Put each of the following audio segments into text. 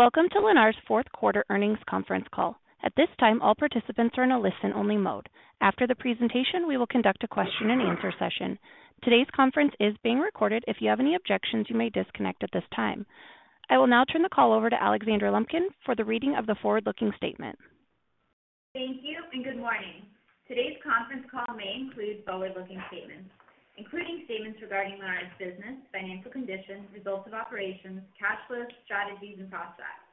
Welcome to Lennar's Fourth Quarter Earnings Conference Call. At this time, all participants are in a listen only mode. After the presentation, we will conduct a question and answer session. Today's conference is being recorded. If you have any objections, you may disconnect at this time. I will now turn the call over to Alexandra Lumpkin for the reading of the forward-looking statement. Thank you and good morning. Today's conference call may include forward-looking statements, including statements regarding Lennar's business, financial conditions, results of operations, cash flow, strategies, and prospects.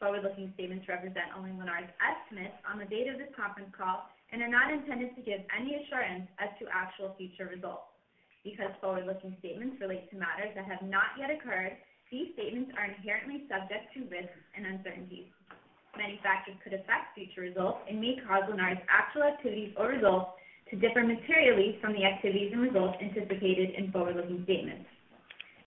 Forward-looking statements represent only Lennar's estimates on the date of this conference call and are not intended to give any assurance as to actual future results. Because forward-looking statements relate to matters that have not yet occurred, these statements are inherently subject to risks and uncertainties. Many factors could affect future results and may cause Lennar's actual activities or results to differ materially from the activities and results anticipated in forward-looking statements.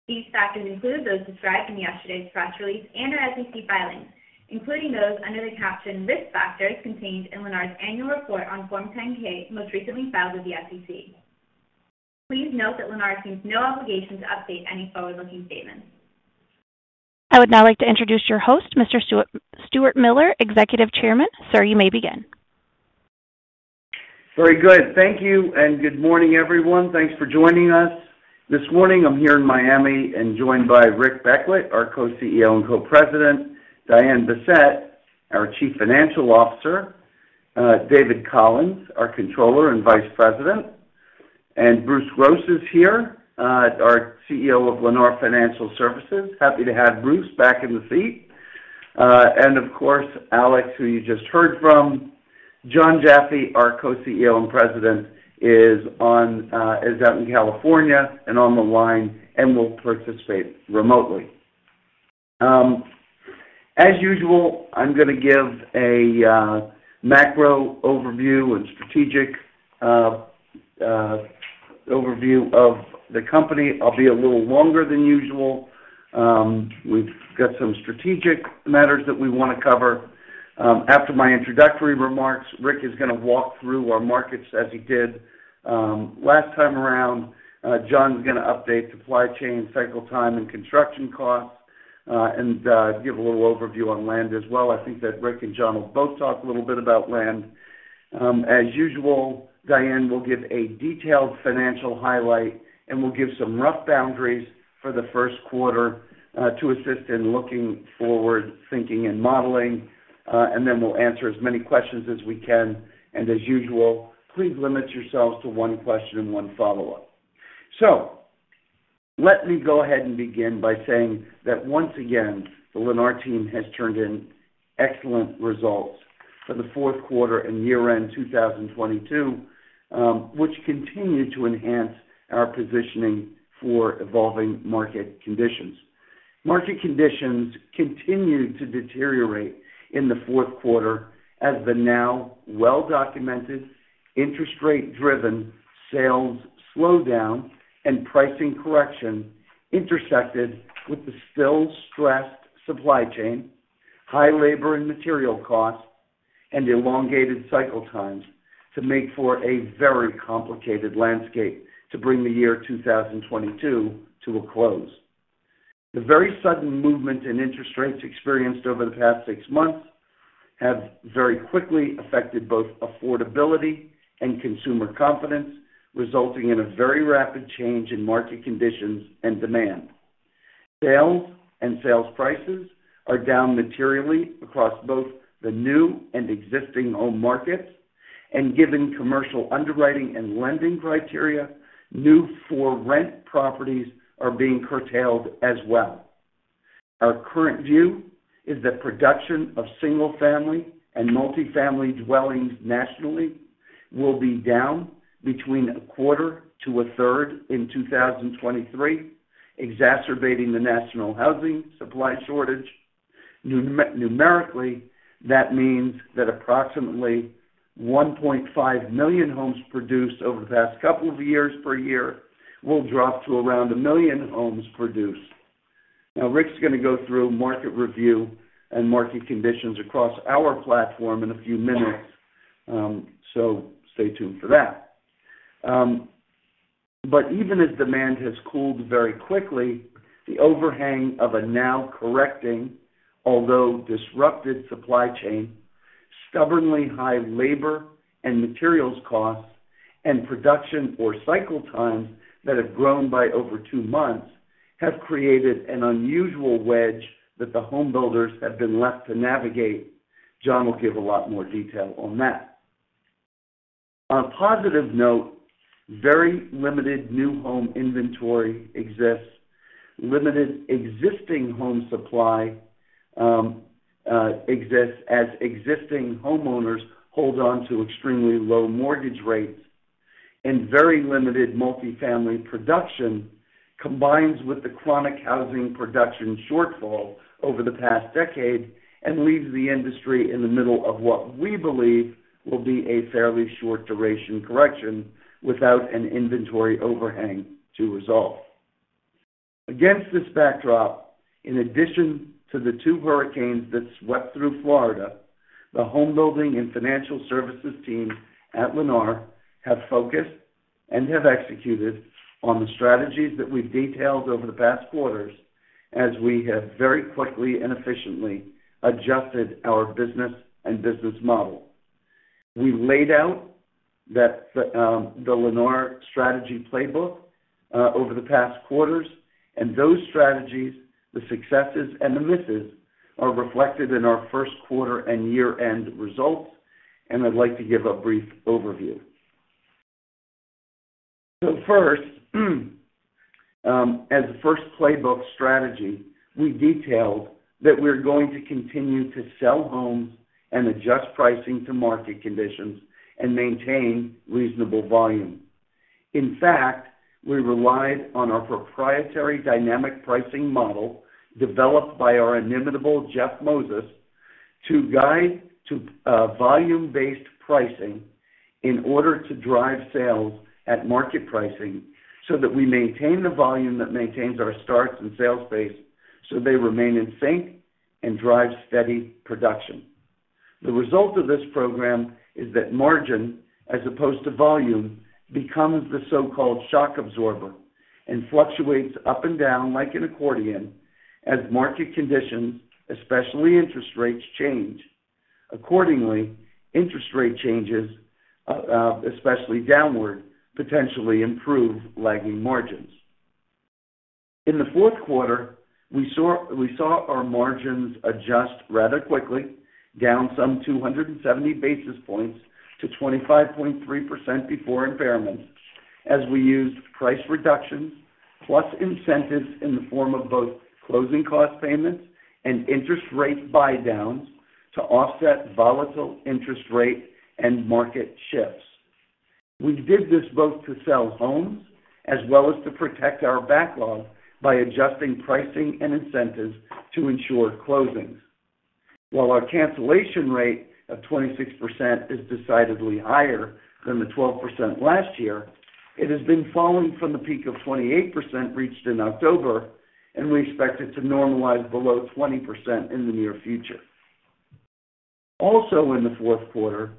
These factors include those described in yesterday's press release and our SEC filings, including those under the caption Risk Factors contained in Lennar's annual report on Form 10-K, most recently filed with the SEC. Please note that Lennar assumes no obligation to update any forward-looking statements. I would now like to introduce your host, Mr. Stuart Miller, Executive Chairman. Sir, you may begin. Very good. Thank you and good morning, everyone. Thanks for joining us. This morning, I'm here in Miami and joined by Rick Beckwitt, our Co-CEO and Co-President; Diane Bessette, our Chief Financial Officer; David Collins, our Controller and Vice President; and Bruce Gross is here, our CEO of Lennar Financial Services. Happy to have Bruce back in the seat. Of course, Alex, who you just heard from. Jon Jaffe, our Co-CEO and President, is on, is out in California and on the line and will participate remotely. As usual, I'm gonna give a macro overview and strategic overview of the company. I'll be a little longer than usual. We've got some strategic matters that we wanna cover. After my introductory remarks, Rick is gonna walk through our markets as he did last time around. Jon's gonna update supply chain, cycle time, and construction costs, and give a little overview on land as well. I think that Rick and Jon will both talk a little bit about land. As usual, Diane will give a detailed financial highlight, and we'll give some rough boundaries for the first quarter, to assist in looking forward, thinking and modeling, and then we'll answer as many questions as we can. As usual, please limit yourselves to one question and one follow-up. Let me go ahead and begin by saying that once again, the Lennar team has turned in excellent results for the fourth quarter and year-end 2022, which continued to enhance our positioning for evolving market conditions. Market conditions continued to deteriorate in the fourth quarter as the now well-documented interest rate-driven sales slowdown and pricing correction intersected with the still stressed supply chain, high labor and material costs, and elongated cycle times to make for a very complicated landscape to bring the year 2022 to a close. The very sudden movement in interest rates experienced over the past six months have very quickly affected both affordability and consumer confidence, resulting in a very rapid change in market conditions and demand. Sales and sales prices are down materially across both the new and existing home markets. Given commercial underwriting and lending criteria, new for rent properties are being curtailed as well. Our current view is that production of single-family and multi-family dwellings nationally will be down between a quarter to a third in 2023, exacerbating the national housing supply shortage. Numerically, that means that approximately 1.5 million homes produced over the past couple of years per year will drop to around 1 million homes produced. Rick's gonna go through market review and market conditions across our platform in a few minutes, stay tuned for that. Even as demand has cooled very quickly, the overhang of a now correcting, although disrupted supply chain, stubbornly high labor and materials costs, and production or cycle times that have grown by over two months, have created an unusual wedge that the home builders have been left to navigate. Jon will give a lot more detail on that. On a positive note, very limited new home inventory exists. Limited existing home supply exists as existing homeowners hold on to extremely low mortgage rates. Very limited multi-family production combines with the chronic housing production shortfall over the past decade and leaves the industry in the middle of what we believe will be a fairly short-duration correction without an inventory overhang to resolve. Against this backdrop, in addition to the two hurricanes that swept through Florida, the home building and financial services team at Lennar have focused and executed on the strategies that we've detailed over the past quarters as we have very quickly and efficiently adjusted our business and business model. We laid out that the Lennar strategy playbook over the past quarters and those strategies, the successes and the misses, are reflected in our first quarter and year-end results, and I'd like to give a brief overview. First, as the first playbook strategy, we detailed that we're going to continue to sell homes and adjust pricing to market conditions and maintain reasonable volume. In fact, we relied on our proprietary dynamic pricing model developed by our inimitable Jeff Moses to guide to volume-based pricing in order to drive sales at market pricing so that we maintain the volume that maintains our starts and sales base, so they remain in sync and drive steady production. The result of this program is that margin, as opposed to volume, becomes the so-called shock absorber and fluctuates up and down like an accordion as market conditions, especially interest rates, change. Accordingly, interest rate changes, especially downward, potentially improve lagging margins. In the fourth quarter, we saw our margins adjust rather quickly down some 270 basis points to 25.3% before impairments as we used price reductions plus incentives in the form of both closing cost payments and interest rate buydowns to offset volatile interest rate and market shifts. We did this both to sell homes as well as to protect our backlog by adjusting pricing and incentives to ensure closings. While our cancellation rate of 26% is decidedly higher than the 12% last year, it has been falling from the peak of 28% reached in October. We expect it to normalize below 20% in the near future. Also in the fourth quarter,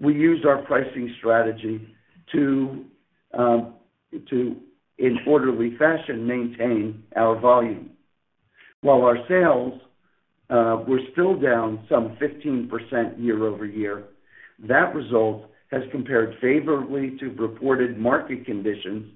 we used our pricing strategy to in orderly fashion, maintain our volume. While our sales were still down some 15% year-over-year, that result has compared favorably to reported market conditions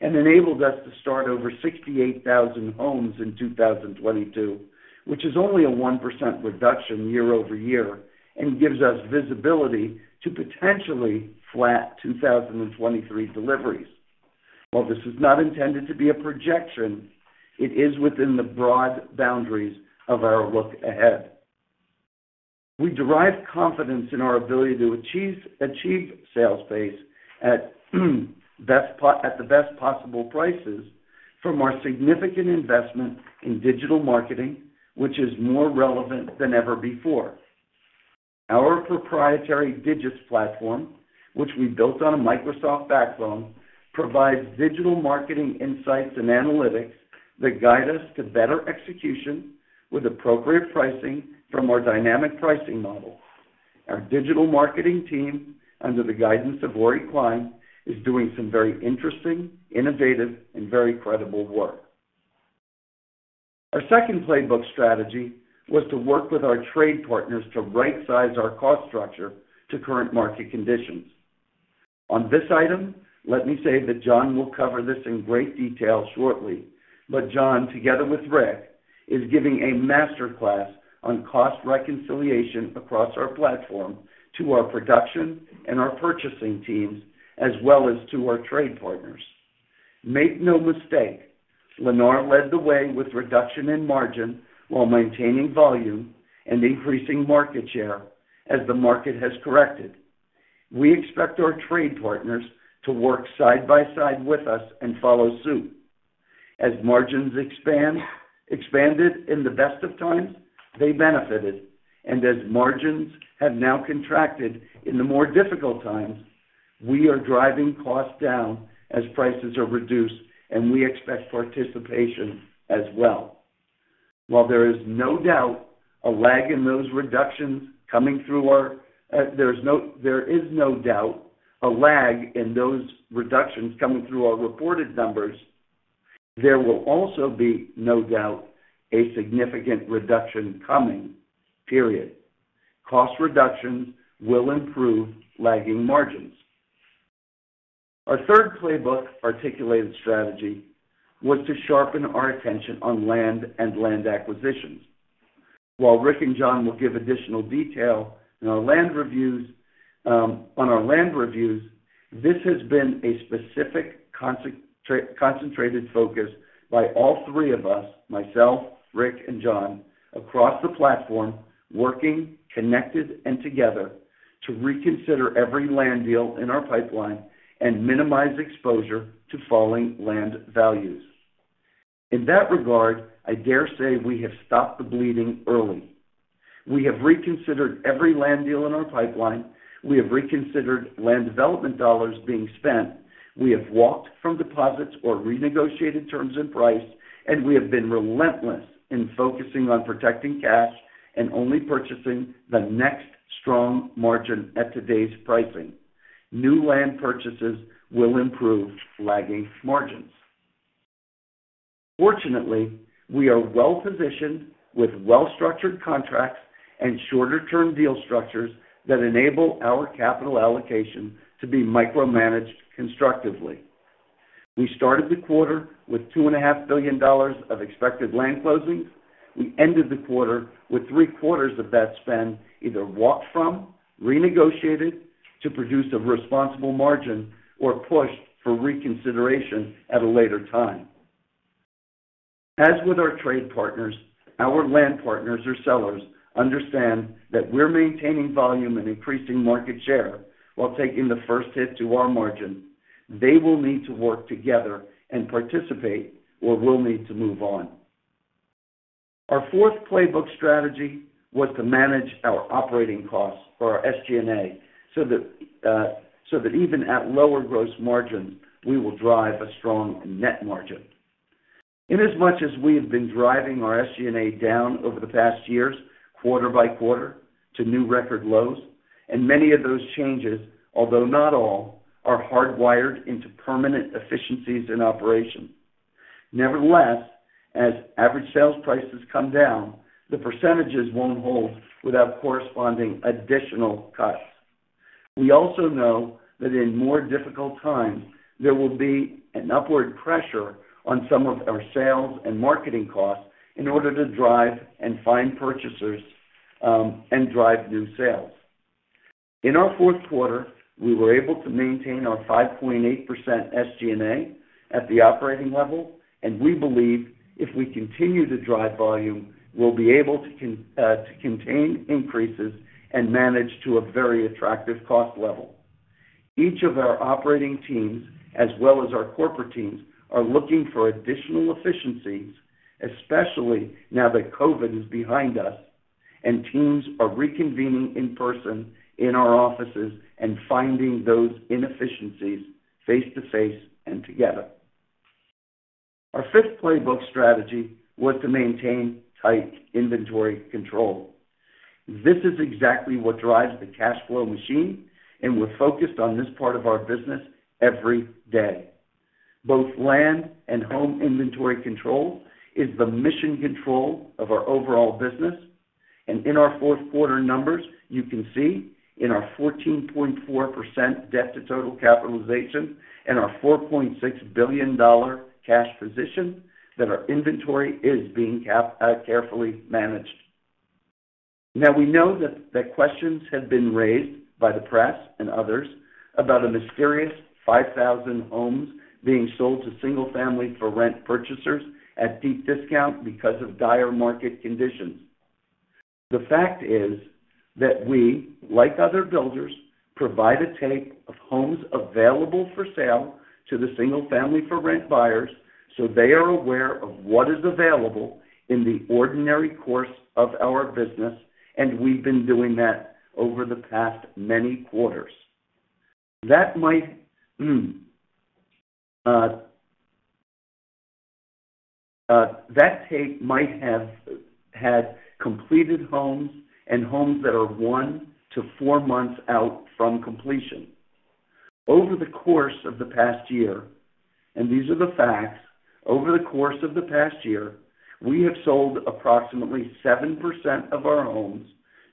and enabled us to start over 68,000 homes in 2022, which is only a 1% reduction year-over-year and gives us visibility to potentially flat 2023 deliveries. While this is not intended to be a projection, it is within the broad boundaries of our look ahead. We derive confidence in our ability to achieve sales pace at the best possible prices from our significant investment in digital marketing, which is more relevant than ever before. Our proprietary Digits platform, which we built on a Microsoft backbone, provides digital marketing insights and analytics that guide us to better execution with appropriate pricing from our dynamic pricing model. Our digital marketing team, under the guidance of Ori Klein, is doing some very interesting, innovative, and very credible work. Our second playbook strategy was to work with our trade partners to rightsize our cost structure to current market conditions. On this item, let me say that Jon will cover this in great detail shortly. Jon, together with Rick, is giving a master class on cost reconciliation across our platform to our production and our purchasing teams, as well as to our trade partners. Make no mistake, Lennar led the way with reduction in margin while maintaining volume and increasing market share as the market has corrected. We expect our trade partners to work side by side with us and follow suit. As margins expand, expanded in the best of times, they benefited. As margins have now contracted in the more difficult times, we are driving costs down as prices are reduced, and we expect participation as well. While there is no doubt a lag in those reductions coming through our reported numbers, there will also be no doubt a significant reduction coming, period. Cost reductions will improve lagging margins. Our third playbook articulated strategy was to sharpen our attention on land and land acquisitions. While Rick and Jon will give additional detail in our land reviews, on our land reviews, this has been a specific concentrated focus by all three of us, myself, Rick, and Jon, across the platform, working connected and together to reconsider every land deal in our pipeline and minimize exposure to falling land values. In that regard, I dare say we have stopped the bleeding early. We have reconsidered every land deal in our pipeline. We have reconsidered land development dollars being spent. We have walked from deposits or renegotiated terms and price. We have been relentless in focusing on protecting cash and only purchasing the next strong margin at today's pricing. New land purchases will improve lagging margins. Fortunately, we are well-positioned with well-structured contracts and shorter-term deal structures that enable our capital allocation to be micromanaged constructively. We started the quarter with $2.5 billion of expected land closings. We ended the quarter with three-quarters of that spend either walked from, renegotiated to produce a responsible margin, or pushed for reconsideration at a later time. As with our trade partners, our land partners or sellers understand that we're maintaining volume and increasing market share while taking the first hit to our margin. They will need to work together and participate, or we'll need to move on. Our fourth playbook strategy was to manage our operating costs or our SG&A so that even at lower gross margins, we will drive a strong net margin. In as much as we have been driving our SG&A down over the past years, quarter by quarter, to new record lows, and many of those changes, although not all, are hardwired into permanent efficiencies in operation. Nevertheless, as average sales prices come down, the percentages won't hold without corresponding additional cuts. We also know that in more difficult times, there will be an upward pressure on some of our sales and marketing costs in order to drive and find purchasers, and drive new sales. In our fourth quarter, we were able to maintain our 5.8% SG&A at the operating level, and we believe if we continue to drive volume, we'll be able to contain increases and manage to a very attractive cost level. Each of our operating teams, as well as our corporate teams, are looking for additional efficiencies, especially now that COVID is behind us and teams are reconvening in person in our offices and finding those inefficiencies face-to-face and together. Our fifth playbook strategy was to maintain tight inventory control. This is exactly what drives the cash flow machine, and we're focused on this part of our business every day. Both land and home inventory control is the mission control of our overall business. In our fourth quarter numbers, you can see in our 14.4% debt to total capitalization and our $4.6 billion cash position that our inventory is being carefully managed. Now, we know that questions have been raised by the press and others about a mysterious 5,000 homes being sold to single-family for rent purchasers at deep discount because of dire market conditions. The fact is that we, like other builders, provide a tape of homes available for sale to the single-family for rent buyers, so they are aware of what is available in the ordinary course of our business, and we've been doing that over the past many quarters. That might. That tape might have had completed homes and homes that are one to four months out from completion. Over the course of the past year, and these are the facts, over the course of the past year, we have sold approximately 7% of our homes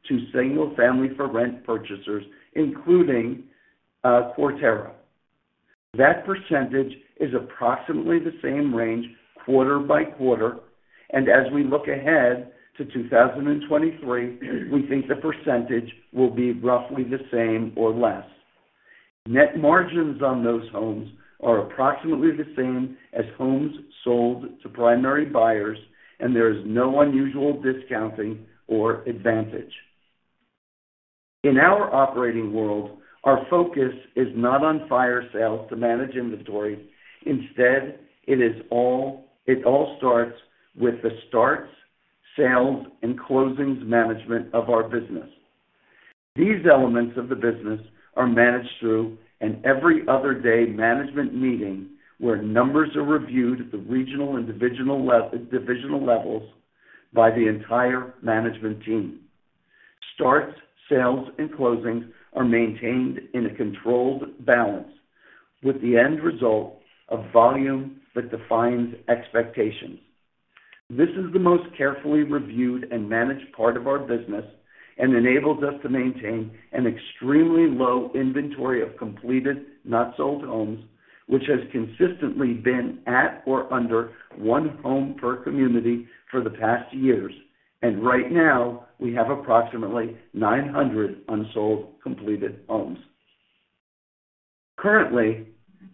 to single-family for rent purchasers, including Quarterra. That percentage is approximately the same range quarter by quarter. As we look ahead to 2023, we think the percentage will be roughly the same or less. Net margins on those homes are approximately the same as homes sold to primary buyers. There is no unusual discounting or advantage. In our operating world, our focus is not on fire sales to manage inventory. Instead, it all starts with the starts, sales, and closings management of our business. These elements of the business are managed through an every other day management meeting where numbers are reviewed at the regional individual divisional levels by the entire management team. Starts, sales, and closings are maintained in a controlled balance with the end result of volume that defines expectations. This is the most carefully reviewed and managed part of our business and enables us to maintain an extremely low inventory of completed, not sold, homes, which has consistently been at or under one home per community for the past years. Right now, we have approximately 900 unsold, completed homes. Currently,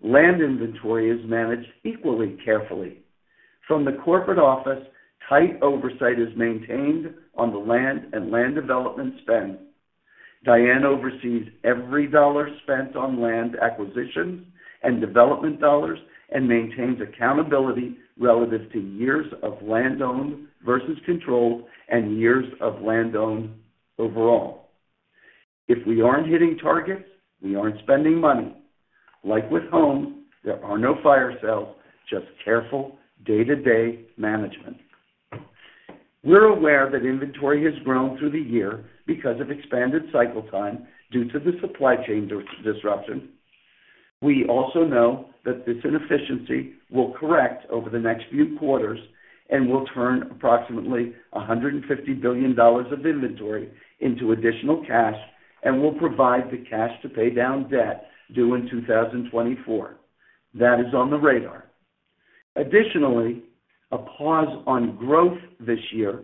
land inventory is managed equally carefully. From the corporate office, tight oversight is maintained on the land and land development spend. Diane oversees every dollar spent on land acquisitions and development dollars and maintains accountability relative to years of land owned versus controlled and years of land owned overall. If we aren't hitting targets, we aren't spending money. Like with homes, there are no fire sales, just careful day-to-day management. We're aware that inventory has grown through the year because of expanded cycle time due to the supply chain disruption. We also know that this inefficiency will correct over the next few quarters and will turn approximately $150 billion of inventory into additional cash and will provide the cash to pay down debt due in 2024. That is on the radar. Additionally, a pause on growth this year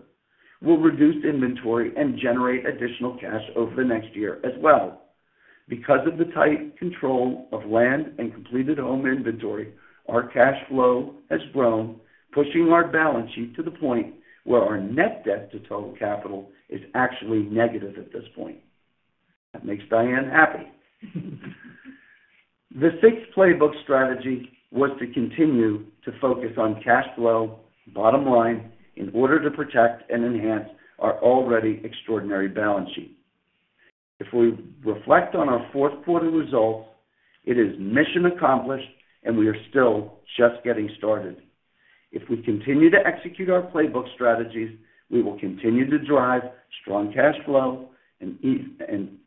will reduce inventory and generate additional cash over the next year as well. Because of the tight control of land and completed home inventory, our cash flow has grown, pushing our balance sheet to the point where our net debt to total capital is actually negative at this point. That makes Diane happy. The sixth playbook strategy was to continue to focus on cash flow, bottom line, in order to protect and enhance our already extraordinary balance sheet. If we reflect on our fourth quarter results, it is mission accomplished, and we are still just getting started. If we continue to execute our playbook strategies, we will continue to drive strong cash flow and even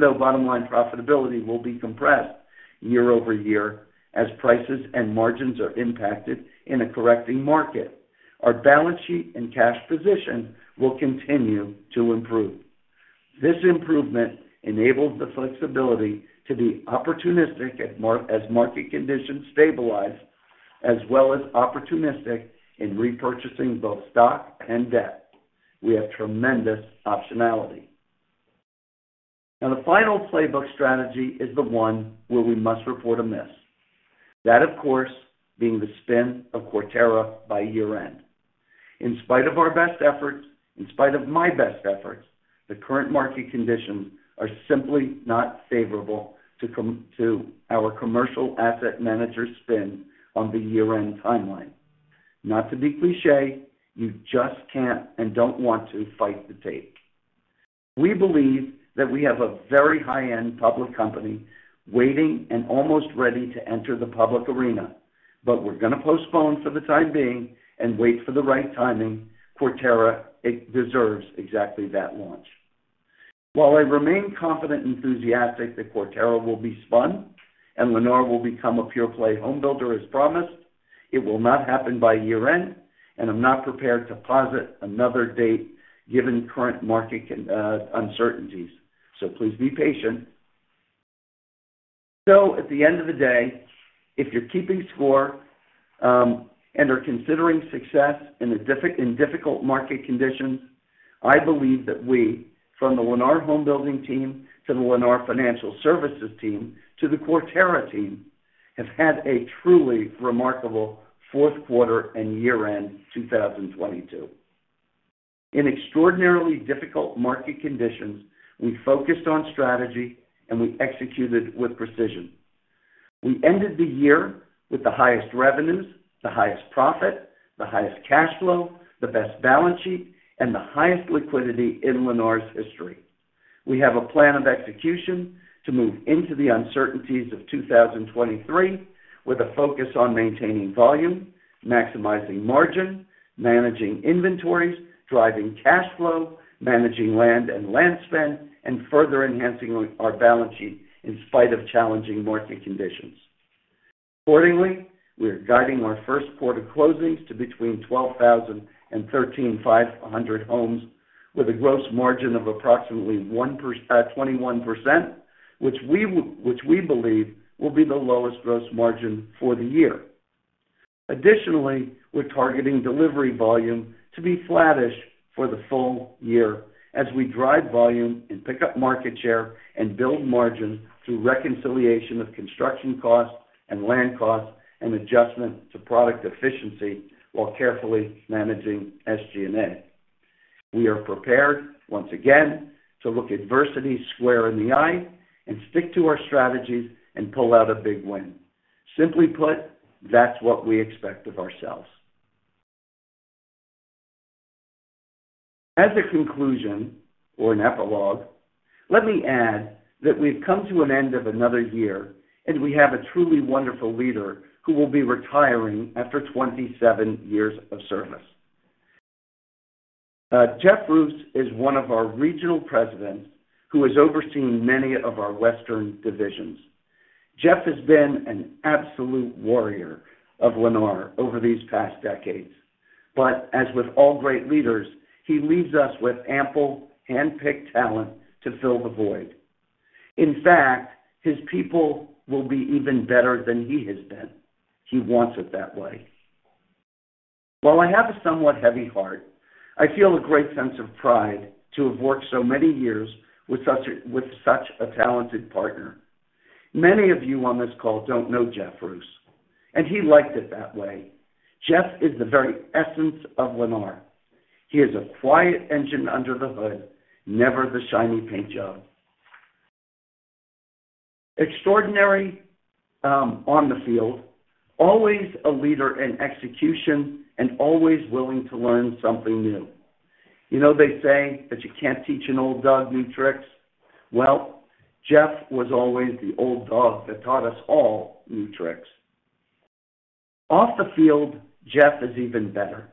though bottom line profitability will be compressed year-over-year as prices and margins are impacted in a correcting market, our balance sheet and cash position will continue to improve. This improvement enables the flexibility to be opportunistic as market conditions stabilize, as well as opportunistic in repurchasing both stock and debt. We have tremendous optionality. The final playbook strategy is the one where we must report a miss. That, of course, being the spin of Quarterra by year-end. In spite of our best efforts, in spite of my best efforts, the current market conditions are simply not favorable to our commercial asset manager spin on the year-end timeline. Not to be cliche, you just can't and don't want to fight the tape. We believe that we have a very high-end public company waiting and almost ready to enter the public arena. We're gonna postpone for the time being and wait for the right timing. Quarterra, it deserves exactly that launch. While I remain confident and enthusiastic that Quarterra will be spun and Lennar will become a pure-play home builder as promised, it will not happen by year-end, and I'm not prepared to posit another date given current market uncertainties. Please be patient. At the end of the day, if you're keeping score, and are considering success in difficult market conditions, I believe that we, from the Lennar Home Building team, to the Lennar Financial Services team, to the Quarterra team, have had a truly remarkable fourth quarter and year-end 2022. In extraordinarily difficult market conditions, we focused on strategy, and we executed with precision. We ended the year with the highest revenues, the highest profit, the highest cash flow, the best balance sheet, and the highest liquidity in Lennar's history. We have a plan of execution to move into the uncertainties of 2023 with a focus on maintaining volume, maximizing margin, managing inventories, driving cash flow, managing land and land spend, and further enhancing our balance sheet in spite of challenging market conditions. We're guiding our first quarter closings to between 12,000 and 13,500 homes, with a gross margin of approximately 21%, which we believe will be the lowest gross margin for the year. We're targeting delivery volume to be flattish for the full year as we drive volume and pick up market share and build margin through reconciliation of construction costs and land costs and adjustment to product efficiency while carefully managing SG&A. We are prepared, once again, to look adversity square in the eye and stick to our strategies and pull out a big win. Simply put, that's what we expect of ourselves. As a conclusion or an epilogue, let me add that we've come to an end of another year, and we have a truly wonderful leader who will be retiring after 27 years of service. Jeff Roos is one of our regional presidents who has overseen many of our Western divisions. Jeff has been an absolute warrior of Lennar over these past decades. As with all great leaders, he leaves us with ample handpicked talent to fill the void. In fact, his people will be even better than he has been. He wants it that way. While I have a somewhat heavy heart, I feel a great sense of pride to have worked so many years with such a talented partner. Many of you on this call don't know Jeff Roos, and he liked it that way. Jeff is the very essence of Lennar. He is a quiet engine under the hood, never the shiny paint job. Extraordinary on the field, always a leader in execution, and always willing to learn something new. You know, they say that you can't teach an old dog new tricks. Well, Jeff was always the old dog that taught us all new tricks. Off the field, Jeff is even better.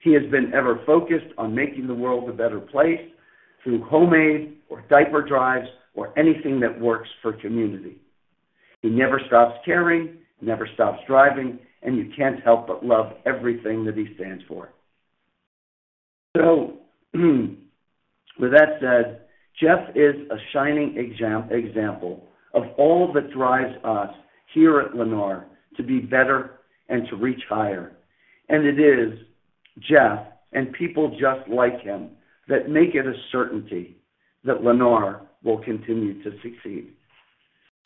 He has been ever focused on making the world a better place through homemade or diaper drives or anything that works for community. He never stops caring, never stops driving. You can't help but love everything that he stands for. With that said, Jeff is a shining example of all that drives us here at Lennar to be better and to reach higher. It is Jeff and people just like him that make it a certainty that Lennar will continue to succeed.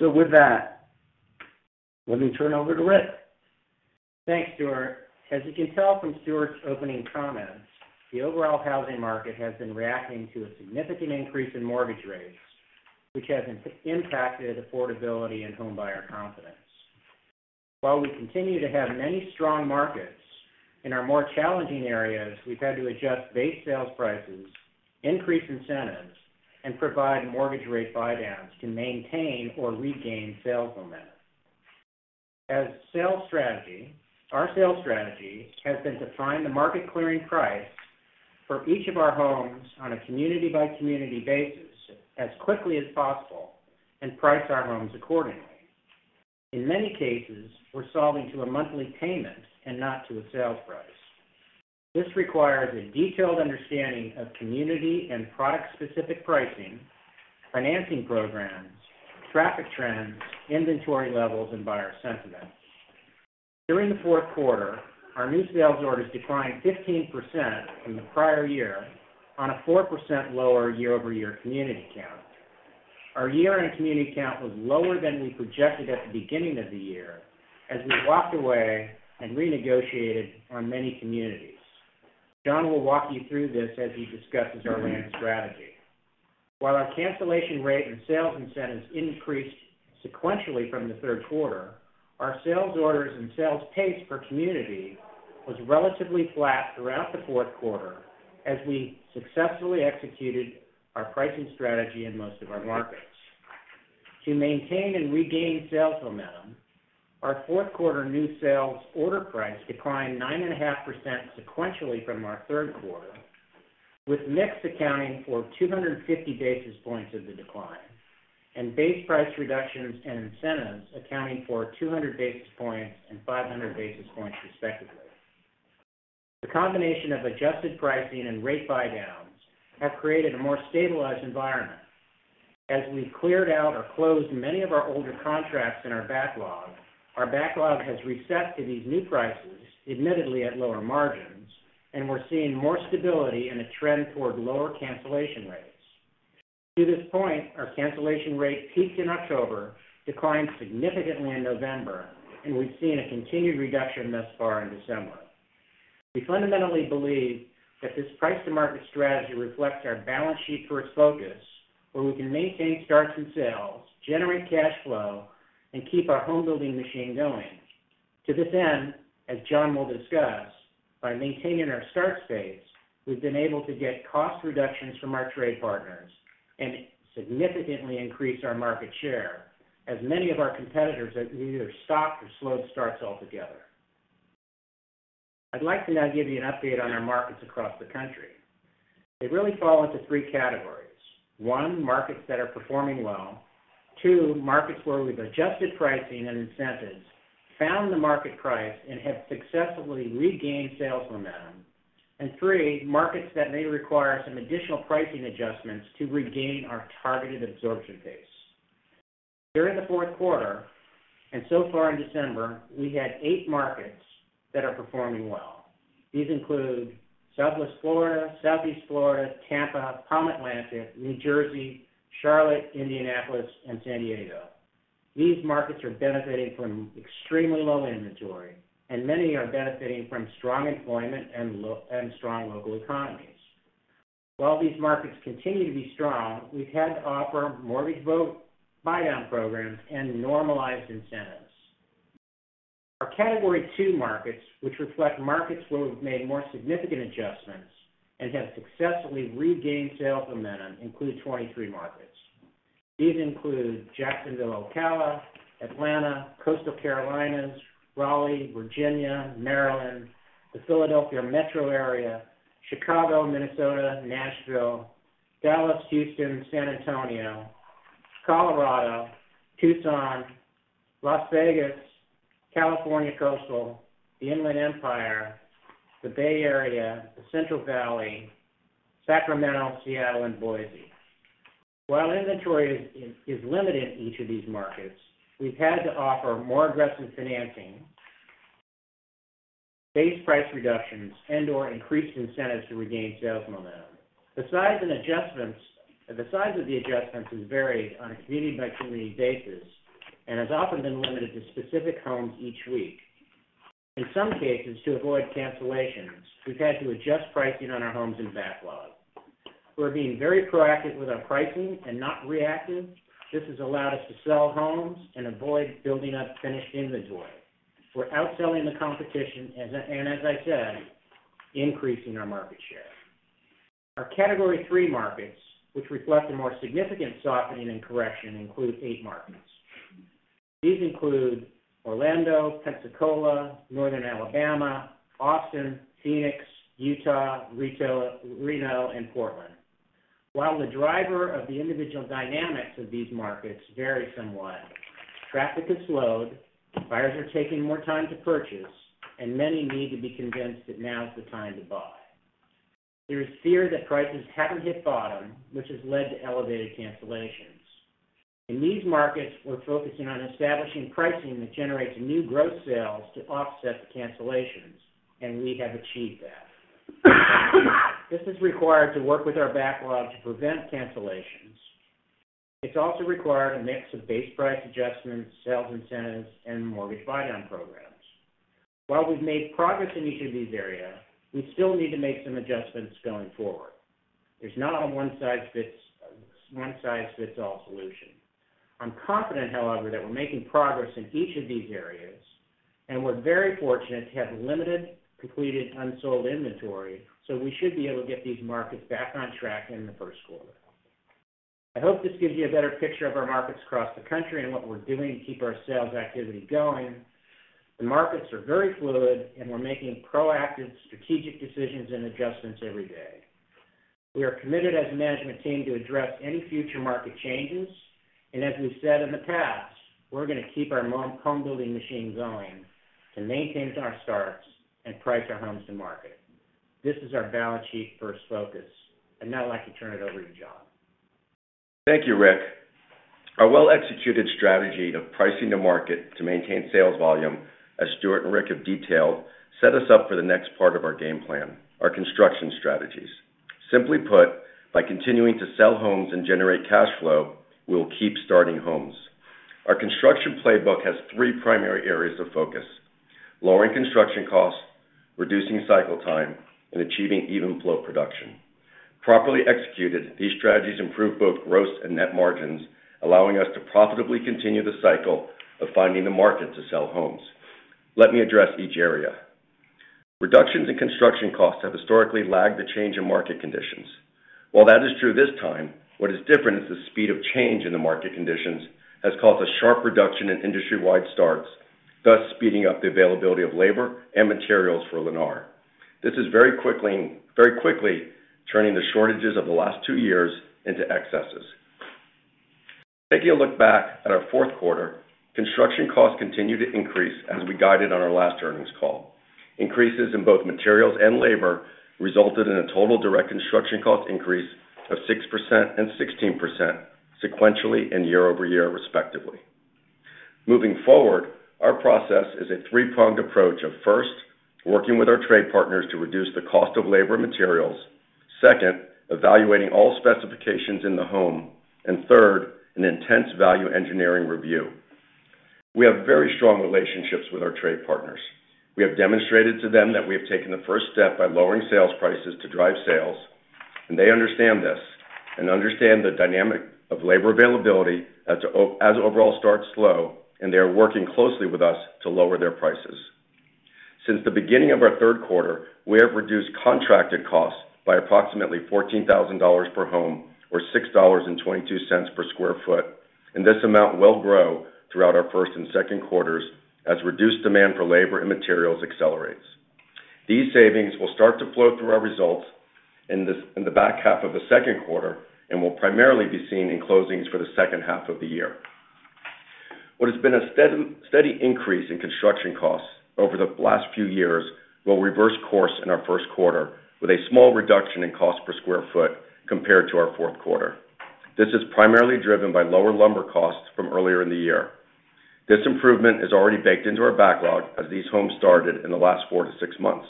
With that, let me turn over to Rick. Thanks, Stuart. As you can tell from Stuart's opening comments, the overall housing market has been reacting to a significant increase in mortgage rates, which has impacted affordability and homebuyer confidence. While we continue to have many strong markets, in our more challenging areas, we've had to adjust base sales prices, increase incentives, and provide mortgage rate buydowns to maintain or regain sales momentum. Our sales strategy has been to find the market clearing price for each of our homes on a community by community basis as quickly as possible and price our homes accordingly. In many cases, we're solving to a monthly payment and not to a sales price. This requires a detailed understanding of community and product-specific pricing, financing programs, traffic trends, inventory levels, and buyer sentiment. During the fourth quarter, our new sales orders declined 15% from the prior year on a 4% lower year-over-year community count. Our year-end community count was lower than we projected at the beginning of the year as we walked away and renegotiated on many communities. Jon will walk you through this as he discusses our land strategy. While our cancellation rate and sales incentives increased sequentially from the third quarter, our sales orders and sales pace per community was relatively flat throughout the fourth quarter as we successfully executed our pricing strategy in most of our markets. To maintain and regain sales momentum, our fourth quarter new sales order price declined 9.5% sequentially from our third quarter, with mix accounting for 250 basis points of the decline, and base price reductions and incentives accounting for 200 basis points and 500 basis points respectively. The combination of adjusted pricing and rate buydowns have created a more stabilized environment. We cleared out or closed many of our older contracts in our backlog, our backlog has reset to these new prices, admittedly at lower margins, and we're seeing more stability and a trend toward lower cancellation rates. To this point, our cancellation rate peaked in October, declined significantly in November, and we've seen a continued reduction thus far in December. We fundamentally believe that this price to market strategy reflects our balance sheet first focus, where we can maintain starts and sales, generate cash flow, and keep our home building machine going. To this end, as Jon will discuss, by maintaining our start space, we've been able to get cost reductions from our trade partners and significantly increase our market share as many of our competitors have either stopped or slowed starts altogether. I'd like to now give you an update on our markets across the country. They really fall into three categories. One, markets that are performing well. Two, markets where we've adjusted pricing and incentives, found the market price, and have successfully regained sales momentum. Three, markets that may require some additional pricing adjustments to regain our targeted absorption base. During the fourth quarter and so far in December, we had eight markets that are performing well. These include Southwest Florida, Southeast Florida, Tampa, Palm Atlantic, New Jersey, Charlotte, Indianapolis, and San Diego. These markets are benefiting from extremely low inventory, and many are benefiting from strong employment and strong local economies. While these markets continue to be strong, we've had to offer mortgage buydown programs and normalized incentives. Our category two markets, which reflect markets where we've made more significant adjustments and have successfully regained sales momentum, include 23 markets. These include Jacksonville, Ocala, Atlanta, Coastal Carolinas, Raleigh, Virginia, Maryland, the Philadelphia metro area, Chicago, Minnesota, Nashville, Dallas, Houston, San Antonio, Colorado, Tucson, Las Vegas, California Coastal, the Inland Empire, the Bay Area, the Central Valley, Sacramento, Seattle, and Boise. While inventory is limited in each of these markets, we've had to offer more aggressive financing, base price reductions, and/or increased incentives to regain sales momentum. The size of the adjustments has varied on a community by community basis and has often been limited to specific homes each week. In some cases, to avoid cancellations, we've had to adjust pricing on our homes and backlog. We're being very proactive with our pricing and not reactive. This has allowed us to sell homes and avoid building up finished inventory. We're outselling the competition and as I said, increasing our market share. Our category three markets, which reflect a more significant softening and correction, include eight markets. These include Orlando, Pensacola, Northern Alabama, Austin, Phoenix, Utah, Reno, and Portland. While the driver of the individual dynamics of these markets vary somewhat, traffic has slowed, buyers are taking more time to purchase, and many need to be convinced that now is the time to buy. There is fear that prices haven't hit bottom, which has led to elevated cancellations. In these markets, we're focusing on establishing pricing that generates new growth sales to offset the cancellations, and we have achieved that. This is required to work with our backlog to prevent cancellations. It's also required a mix of base price adjustments, sales incentives, and mortgage buydown programs. While we've made progress in each of these areas, we still need to make some adjustments going forward. There's not a one size fits all solution. I'm confident, however, that we're making progress in each of these areas, and we're very fortunate to have limited completed unsold inventory, so we should be able to get these markets back on track in the first quarter. I hope this gives you a better picture of our markets across the country and what we're doing to keep our sales activity going. The markets are very fluid, we're making proactive, strategic decisions and adjustments every day. We are committed as a management team to address any future market changes. As we've said in the past, we're going to keep our home building machine going to maintain our starts and price our homes to market. This is our balance sheet first focus. Now I'd like to turn it over to Jon. Thank you, Rick. Our well-executed strategy of pricing to market to maintain sales volume, as Stuart and Rick have detailed, set us up for the next part of our game plan, our construction strategies. Simply put, by continuing to sell homes and generate cash flow, we will keep starting homes. Our construction playbook has three primary areas of focus: lowering construction costs, reducing cycle time, and achieving even flow production. Properly executed, these strategies improve both gross and net margins, allowing us to profitably continue the cycle of finding the market to sell homes. Let me address each area. Reductions in construction costs have historically lagged the change in market conditions. While that is true this time, what is different is the speed of change in the market conditions has caused a sharp reduction in industry-wide starts, thus speeding up the availability of labor and materials for Lennar. This is very quickly turning the shortages of the last two years into excesses. Taking a look back at our fourth quarter, construction costs continued to increase as we guided on our last earnings call. Increases in both materials and labor resulted in a total direct construction cost increase of 6% and 16% sequentially and year-over-year, respectively. Moving forward, our process is a three-pronged approach of, first, working with our trade partners to reduce the cost of labor materials. Second, evaluating all specifications in the home. Third, an intense value engineering review. We have very strong relationships with our trade partners. We have demonstrated to them that we have taken the first step by lowering sales prices to drive sales, and they understand this and understand the dynamic of labor availability as overall starts slow, and they are working closely with us to lower their prices. Since the beginning of our third quarter, we have reduced contracted costs by approximately $14,000 per home or $6.22 per sq ft. This amount will grow throughout our first and second quarters as reduced demand for labor and materials accelerates. These savings will start to flow through our results in the back half of the second quarter and will primarily be seen in closings for the second half of the year. What has been a steady increase in construction costs over the last few years will reverse course in our first quarter with a small reduction in cost per square foot compared to our fourth quarter. This is primarily driven by lower lumber costs from earlier in the year. This improvement is already baked into our backlog as these homes started in the last four to six months.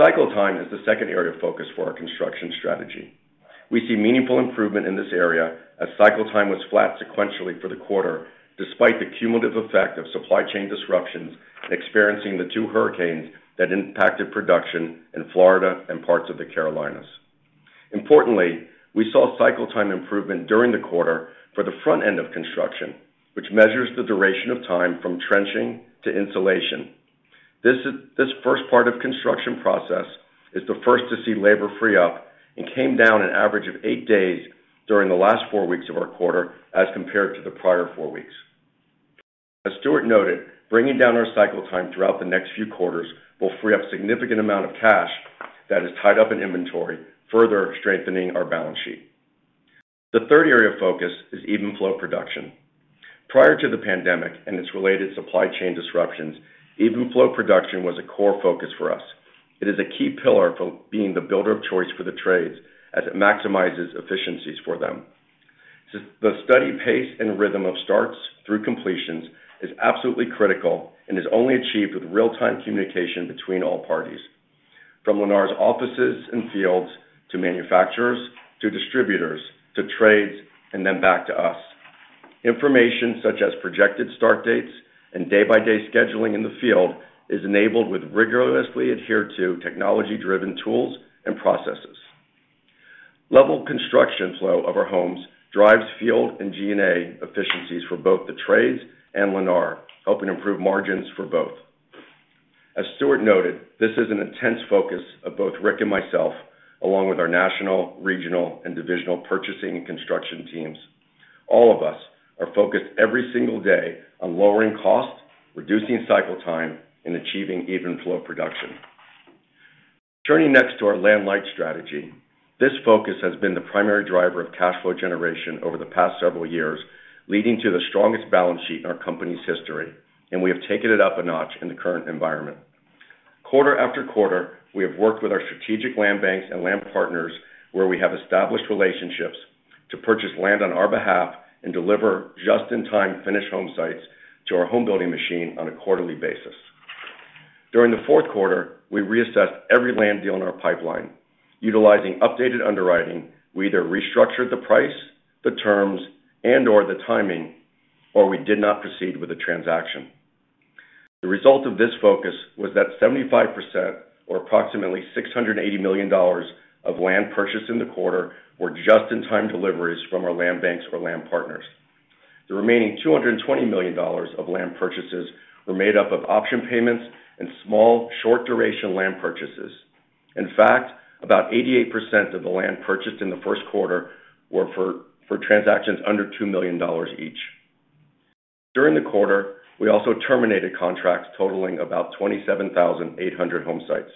Cycle time is the second area of focus for our construction strategy. We see meaningful improvement in this area as cycle time was flat sequentially for the quarter, despite the cumulative effect of supply chain disruptions experiencing the 1 hurricanes that impacted production in Florida and parts of the Carolinas. Importantly, we saw cycle time improvement during the quarter for the front end of construction, which measures the duration of time from trenching to insulation. This first part of construction process is the first to see labor free up and came down an average of eight days during the last four weeks of our quarter as compared to the prior four weeks. As Stuart noted, bringing down our cycle time throughout the next few quarters will free up significant amount of cash that is tied up in inventory, further strengthening our balance sheet. The third area of focus is even flow production. Prior to the pandemic and its related supply chain disruptions, even flow production was a core focus for us. It is a key pillar for being the builder of choice for the trades as it maximizes efficiencies for them. The steady pace and rhythm of starts through completions is absolutely critical and is only achieved with real-time communication between all parties, from Lennar's offices and fields to manufacturers, to distributors, to trades, and then back to us. Information such as projected start dates and day-by-day scheduling in the field is enabled with rigorously adhered to technology-driven tools and processes. Level construction flow of our homes drives field and G&A efficiencies for both the trades and Lennar, helping improve margins for both. As Stuart noted, this is an intense focus of both Rick and myself, along with our national, regional, and divisional purchasing and construction teams. All of us are focused every single day on lowering costs, reducing cycle time, and achieving even flow production. Turning next to our land light strategy. This focus has been the primary driver of cash flow generation over the past several years, leading to the strongest balance sheet in our company's history. We have taken it up a notch in the current environment. Quarter after quarter, we have worked with our strategic land banks and land partners where we have established relationships to purchase land on our behalf and deliver just-in-time finished home sites to our home building machine on a quarterly basis. During the fourth quarter, we reassessed every land deal in our pipeline. Utilizing updated underwriting, we either restructured the price, the terms, and/or the timing, or we did not proceed with the transaction. The result of this focus was that 75% or approximately $680 million of land purchased in the quarter were just-in-time deliveries from our land banks or land partners. The remaining $220 million of land purchases were made up of option payments and small, short-duration land purchases. In fact, about 88% of the land purchased in the first quarter were for transactions under $2 million each. During the quarter, we also terminated contracts totaling about 27,800 home sites.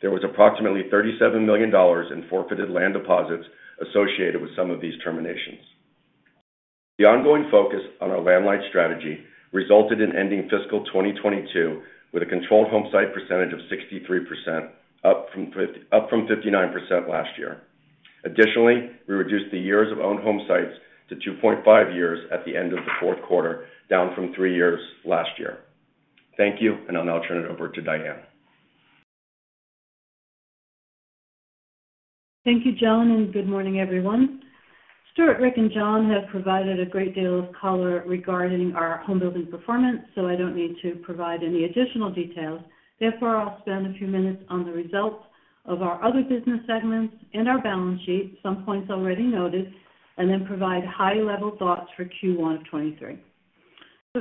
There was approximately $37 million in forfeited land deposits associated with some of these terminations. The ongoing focus on our land light strategy resulted in ending fiscal 2022 with a controlled home site percentage of 63%, up from 59% last year. Additionally, we reduced the years of owned home sites to 2.5 years at the end of the fourth quarter, down from three years last year. Thank you. I'll now turn it over to Diane. Thank you, Jon, good morning, everyone. Stuart, Rick, and Jon have provided a great deal of color regarding our home building performance, so I don't need to provide any additional details. I'll spend a few minutes on the results of our other business segments and our balance sheet, some points already noted, and then provide high-level thoughts for Q1 of 2023.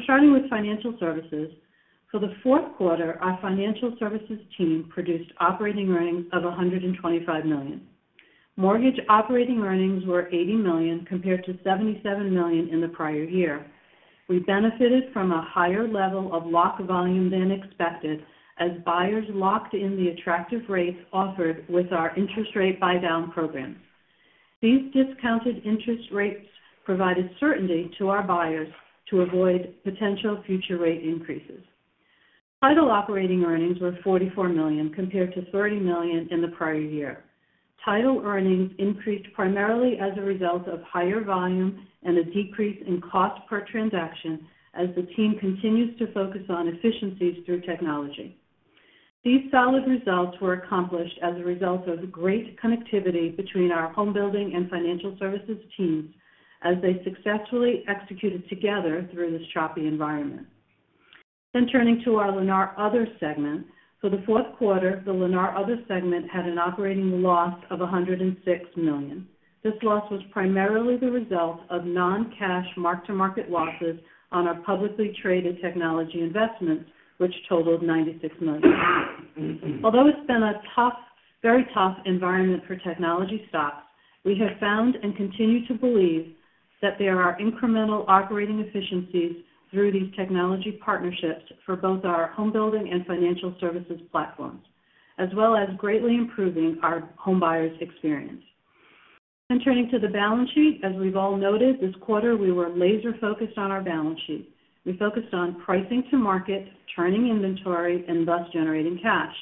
Starting with Lennar Financial Services. For the fourth quarter, our Lennar Financial Services team produced operating earnings of $125 million. Mortgage operating earnings were $80 million, compared to $77 million in the prior year. We benefited from a higher level of lock volume than expected as buyers locked in the attractive rates offered with our interest rate buydown program. These discounted interest rates provided certainty to our buyers to avoid potential future rate increases. Title operating earnings were $44 million, compared to $30 million in the prior year. Title earnings increased primarily as a result of higher volume and a decrease in cost per transaction as the team continues to focus on efficiencies through technology. These solid results were accomplished as a result of great connectivity between our home building and Financial Services teams as they successfully executed together through this choppy environment. Turning to our Lennar Other segment. For the fourth quarter, the Lennar Other segment had an operating loss of $106 million. This loss was primarily the result of non-cash mark-to-market losses on our publicly traded technology investments, which totaled $96 million. Although it's been a tough, very tough environment for technology stocks, we have found and continue to believe that there are incremental operating efficiencies through these technology partnerships for both our home building and financial services platforms, as well as greatly improving our home buyers' experience. Turning to the balance sheet. As we've all noted, this quarter, we were laser-focused on our balance sheet. We focused on pricing to market, turning inventory, and thus generating cash.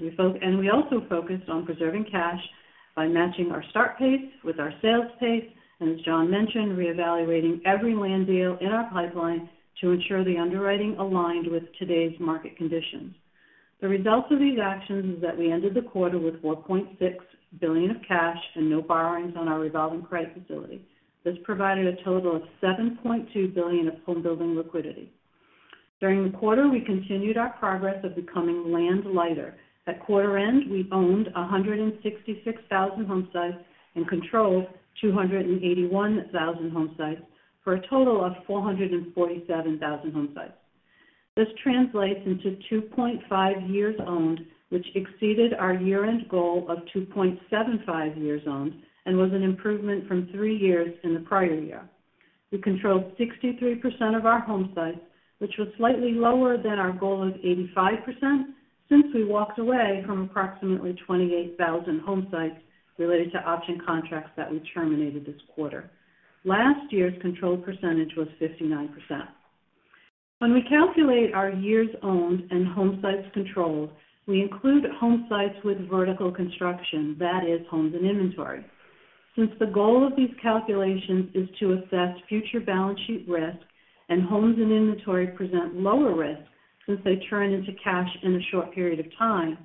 We also focused on preserving cash by matching our start pace with our sales pace, and as Jon mentioned, reevaluating every land deal in our pipeline to ensure the underwriting aligned with today's market conditions. The results of these actions is that we ended the quarter with $4.6 billion of cash and no borrowings on our revolving credit facility. This provided a total of $7.2 billion of home building liquidity. During the quarter, we continued our progress of becoming land lighter. At quarter end, we owned 166,000 home sites and controlled 281,000 home sites, for a total of 447,000 home sites. This translates into 2.5 years owned, which exceeded our year-end goal of 2.75 years owned and was an improvement from three years in the prior year. We controlled 63% of our home sites, which was slightly lower than our goal of 85% since we walked away from approximately 28,000 home sites related to option contracts that we terminated this quarter. Last year's control percentage was 59%. When we calculate our years owned and home sites controlled, we include home sites with vertical construction, that is homes and inventory. Since the goal of these calculations is to assess future balance sheet risk, and homes and inventory present lower risk since they turn into cash in a short period of time.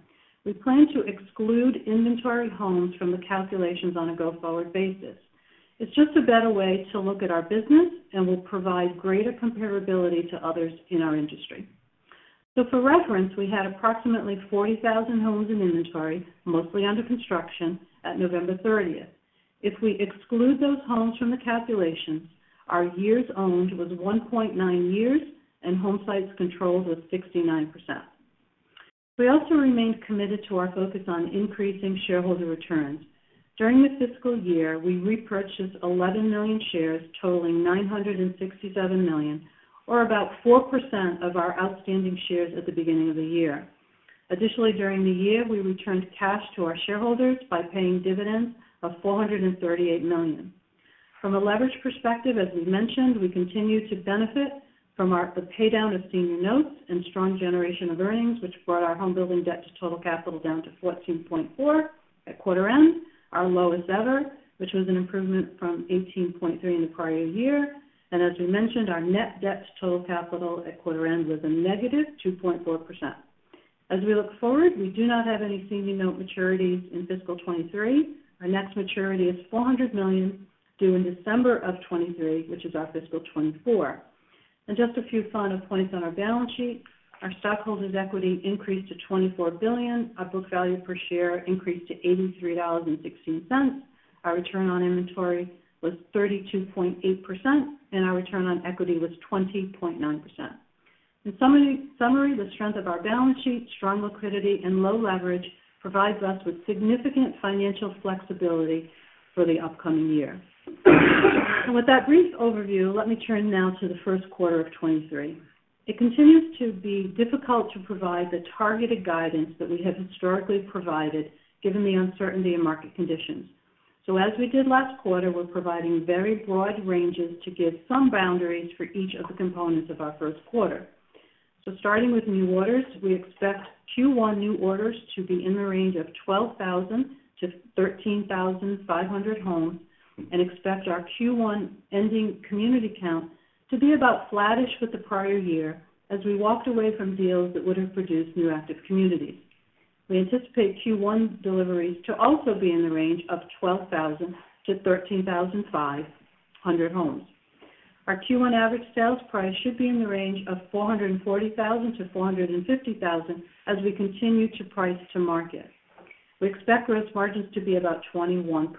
We plan to exclude inventory homes from the calculations on a go-forward basis. It's just a better way to look at our business and will provide greater comparability to others in our industry. For reference, we had approximately 40,000 homes in inventory, mostly under construction at November 30th. If we exclude those homes from the calculations, our years owned was 1.9 years and home sites controlled was 69%. We also remained committed to our focus on increasing shareholder returns. During the fiscal year, we repurchased 11 million shares totaling $967 million, or about 4% of our outstanding shares at the beginning of the year. Additionally, during the year, we returned cash to our shareholders by paying dividends of $438 million. From a leverage perspective, as we mentioned, we continue to benefit from our pay down of senior notes and strong generation of earnings, which brought our home building debt to total capital down to 14.4% at quarter end, our lowest ever, which was an improvement from 18.3% in the prior year. As we mentioned, our net debt to total capital at quarter end was a -2.4%. As we look forward, we do not have any senior note maturities in fiscal 2023. Our next maturity is $400 million due in December of 2023, which is our fiscal 2024. Just a few final points on our balance sheet. Our stockholders equity increased to $24 billion. Our book value per share increased to $83.16. Our return on inventory was 32.8%, and our return on equity was 20.9%. In summary, the strength of our balance sheet, strong liquidity and low leverage provides us with significant financial flexibility for the upcoming year. With that brief overview, let me turn now to the first quarter of 2023. It continues to be difficult to provide the targeted guidance that we have historically provided, given the uncertainty in market conditions. As we did last quarter, we're providing very broad ranges to give some boundaries for each of the components of our first quarter. Starting with new orders, we expect Q1 new orders to be in the range of 12,000-13,500 homes and expect our Q1 ending community count to be about flattish with the prior year as we walked away from deals that would have produced new active communities. We anticipate Q1 deliveries to also be in the range of 12,000-13,500 homes. Our Q1 average sales price should be in the range of $440,000-$450,000 as we continue to price to market. We expect gross margins to be about 21%.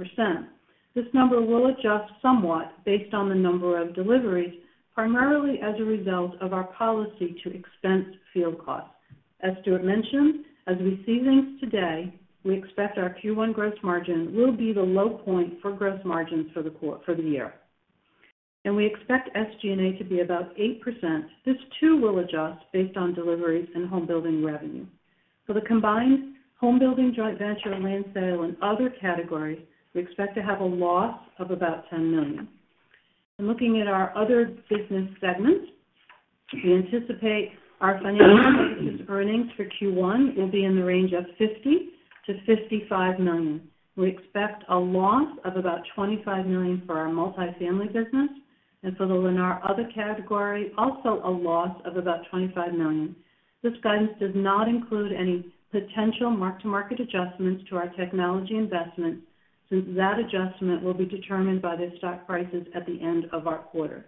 This number will adjust somewhat based on the number of deliveries, primarily as a result of our policy to expense field costs. As Stuart mentioned, as we see things today, we expect our Q1 gross margin will be the low point for gross margins for the year. We expect SG&A to be about 8%. This too will adjust based on deliveries and home building revenue. For the combined home building joint venture, land sale and other categories, we expect to have a loss of about $10 million. Looking at our other business segments, we anticipate our financial earnings for Q1 will be in the range of $50 million-$55 million. We expect a loss of about $25 million for our multifamily business and for the Lennar Other category, also a loss of about $25 million. This guidance does not include any potential mark-to-market adjustments to our technology investment since that adjustment will be determined by the stock prices at the end of our quarter.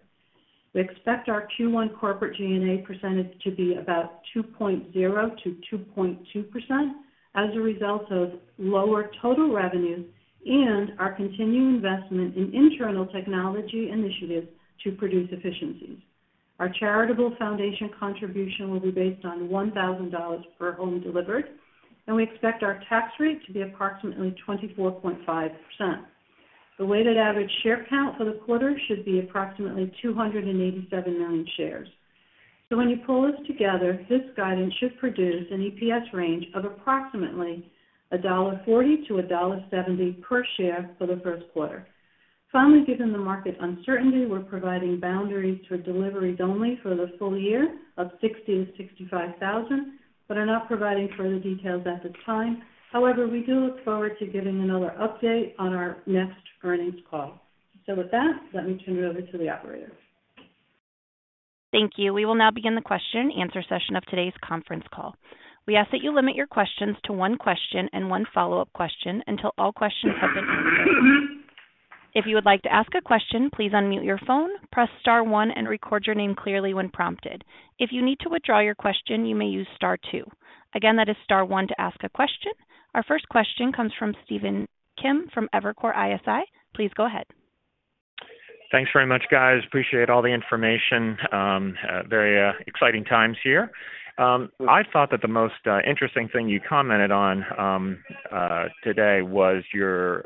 We expect our Q1 corporate G&A percentage to be about 2.0%-2.2% as a result of lower total revenue and our continuing investment in internal technology initiatives to produce efficiencies. Our charitable foundation contribution will be based on $1,000 per home delivered, and we expect our tax rate to be approximately 24.5%. The weighted average share count for the quarter should be approximately 287 million shares. When you pull this together, this guidance should produce an EPS range of approximately $1.40-$1.70 per share for the first quarter. Finally, given the market uncertainty, we're providing boundaries for deliveries only for the full year of 60,000-65,000, but are not providing further details at this time. We do look forward to giving another update on our next earnings call. With that, let me turn it over to the operator. Thank you. We will now begin the question-and-answer session of today's conference call. We ask that you limit your questions to one question and one follow-up question until all questions have been answered. If you would like to ask a question, please unmute your phone, press star one and record your name clearly when prompted. If you need to withdraw your question, you may use star two. Again, that is star one to ask a question. Our first question comes from Stephen Kim from Evercore ISI. Please go ahead. Thanks very much, guys. Appreciate all the information. very exciting times here. I thought that the most interesting thing you commented on today was your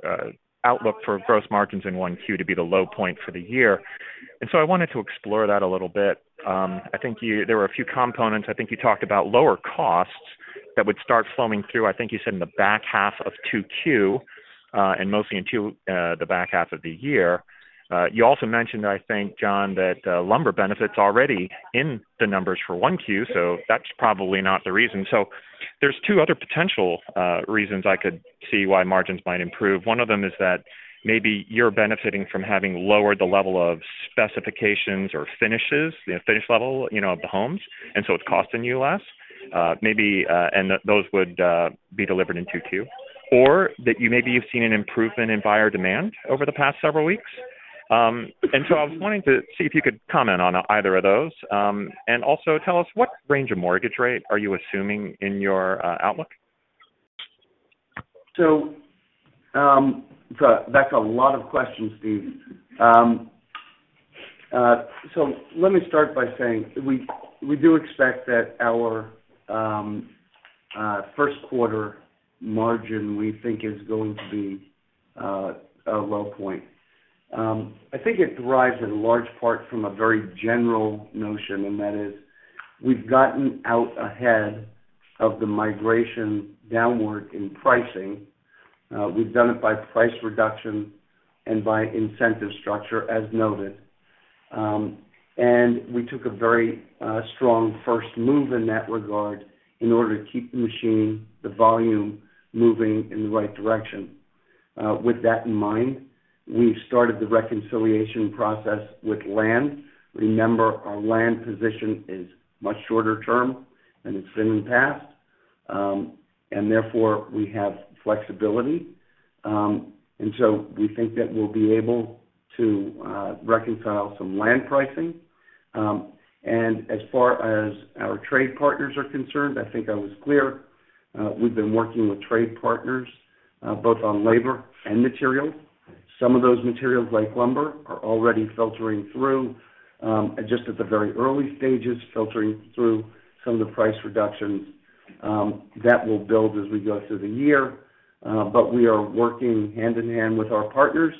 outlook for gross margins in 1Q to be the low point for the year. I wanted to explore that a little bit. I think there were a few components. I think you talked about lower costs that would start flowing through, I think you said in the back half of 2Q, and mostly into the back half of the year. You also mentioned that I think, Jon, that lumber benefits already in the numbers for 1Q, so that's probably not the reason. There's two other potential reasons I could see why margins might improve. One of them is that maybe you're benefiting from having lowered the level of specifications or finishes, the finish level, you know, of the homes, and so it's costing you less. Maybe those would be delivered in two, or that you maybe you've seen an improvement in buyer demand over the past several weeks. I was wanting to see if you could comment on either of those. Also tell us what range of mortgage rate are you assuming in your outlook? That's a lot of questions, Steve. Let me start by saying we do expect that our first quarter margin, we think, is going to be a low point. I think it derives in large part from a very general notion, and that is we've gotten out ahead of the migration downward in pricing. We've done it by price reduction and by incentive structure, as noted. We took a very strong first move in that regard in order to keep the machine, the volume moving in the right direction. With that in mind, we started the reconciliation process with land. Remember, our land position is much shorter term than it's been in the past, and therefore, we have flexibility. We think that we'll be able to reconcile some land pricing. As far as our trade partners are concerned, I think I was clear, we've been working with trade partners, both on labor and material. Some of those materials, like lumber, are already filtering through, just at the very early stages, filtering through some of the price reductions, that will build as we go through the year. We are working hand-in-hand with our partners.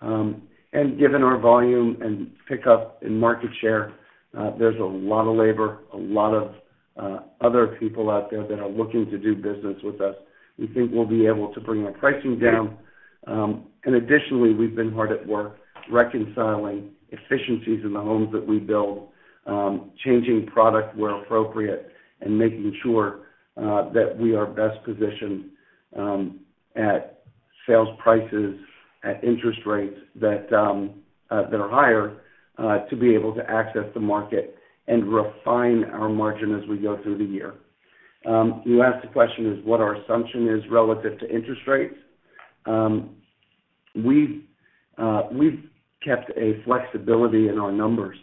Given our volume and pickup in market share, there's a lot of labor, a lot of, other people out there that are looking to do business with us. We think we'll be able to bring our pricing down. Additionally, we've been hard at work reconciling efficiencies in the homes that we build, changing product where appropriate and making sure that we are best positioned at sales prices, at interest rates that are higher to be able to access the market and refine our margin as we go through the year. You asked the question is what our assumption is relative to interest rates. We've kept a flexibility in our numbers.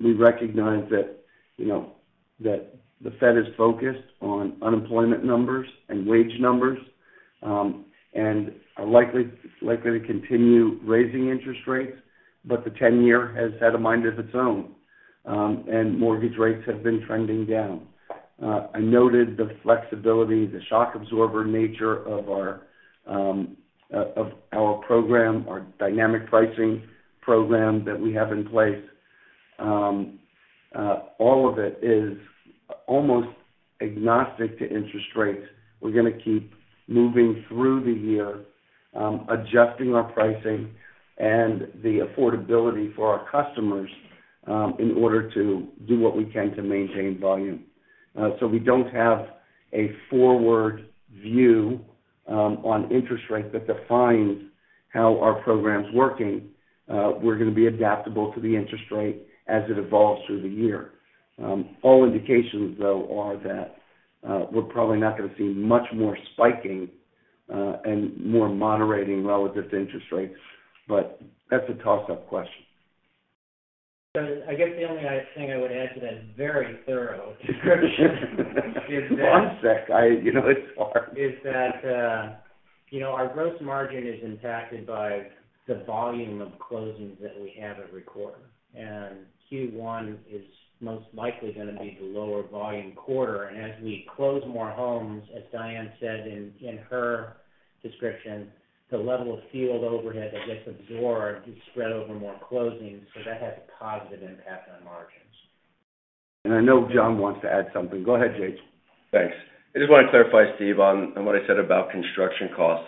We recognize that, you know, that the Fed is focused on unemployment numbers and wage numbers, and are likely to continue raising interest rates, but the ten-year has had a mind of its own. Mortgage rates have been trending down. I noted the flexibility, the shock absorber nature of our of our program, our dynamic pricing program that we have in place. All of it is almost agnostic to interest rates. We're gonna keep moving through the year, adjusting our pricing and the affordability for our customers, in order to do what we can to maintain volume. We don't have a forward view on interest rates that defines how our program's working. We're gonna be adaptable to the interest rate as it evolves through the year. All indications, though, are that we're probably not gonna see much more spiking and more moderating relative to interest rates. That's a toss-up question. I guess the only other thing I would add to that very thorough description. One sec. you know, it's hard. Is that, you know, our gross margin is impacted by the volume of closings that we have every quarter. Q1 is most likely gonna be the lower volume quarter. As we close more homes, as Diane said in her description, the level of field overhead that gets absorbed is spread over more closings, so that has a positive impact on margins. I know Jon wants to add something. Go ahead, Jon. Thanks. I just want to clarify, Stephen, on what I said about construction costs.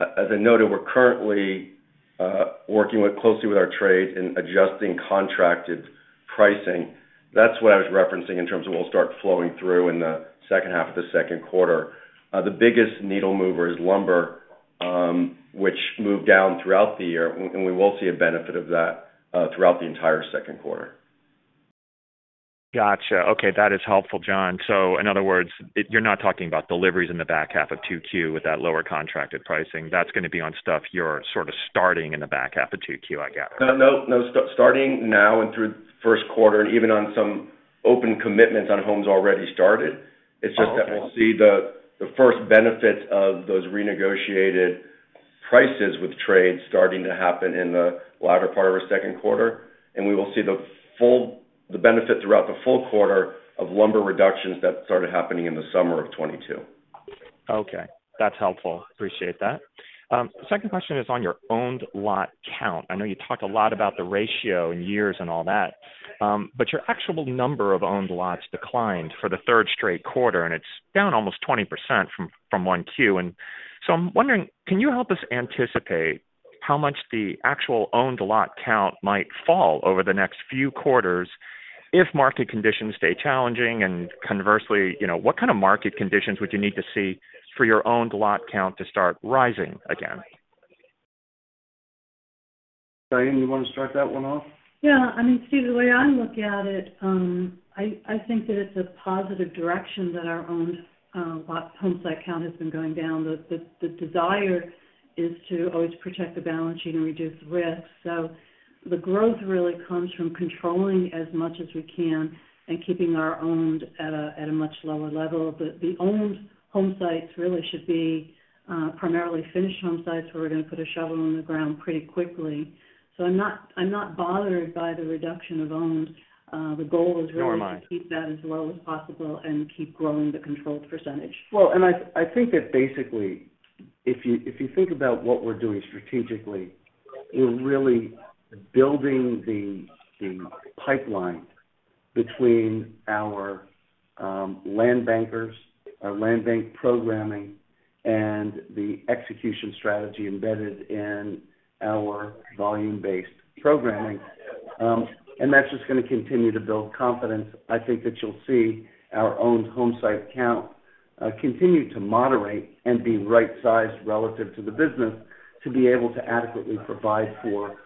As I noted, we're currently working with closely with our trade in adjusting contracted pricing. That's what I was referencing in terms of what'll start flowing through in the second half of the second quarter. The biggest needle mover is lumber, which moved down throughout the year, and we will see a benefit of that throughout the entire second quarter. Gotcha. Okay. That is helpful, Jon. In other words, you're not talking about deliveries in the back half of 2Q with that lower contracted pricing. That's gonna be on stuff you're sort of starting in the back half of 2Q, I gather? No, no. starting now and through first quarter, and even on some open commitments on homes already started. Oh, okay. It's just that we'll see the first benefits of those renegotiated prices with trade starting to happen in the latter part of our second quarter. We will see the full benefit throughout the full quarter of lumber reductions that started happening in the summer of 2022. Okay, that's helpful. Appreciate that. Second question is on your owned lot count. I know you talked a lot about the ratio and years and all that, but your actual number of owned lots declined for the third straight quarter, and it's down almost 20% from one-Q. I'm wondering, can you help us anticipate how much the actual owned lot count might fall over the next few quarters if market conditions stay challenging? Conversely, you know, what kind of market conditions would you need to see for your owned lot count to start rising again? Diane, you want to start that one off? Yeah. I mean, Steve, the way I look at it, I think that it's a positive direction that our owned homesite count has been going down. The desire is to always protect the balance sheet and reduce risk. The growth really comes from controlling as much as we can and keeping our owned at a much lower level. The owned homesites really should be primarily finished homesites where we're going to put a shovel in the ground pretty quickly. I'm not bothered by the reduction of owned. The goal is really- Nor am I. to keep that as low as possible and keep growing the controlled percentage. I think that basically if you, if you think about what we're doing strategically, we're really building the pipeline between our land bankers, our land bank programming, and the execution strategy embedded in our volume-based programming. That's just gonna continue to build confidence. I think that you'll see our owned homesite count continue to moderate and be right-sized relative to the business to be able to adequately provide for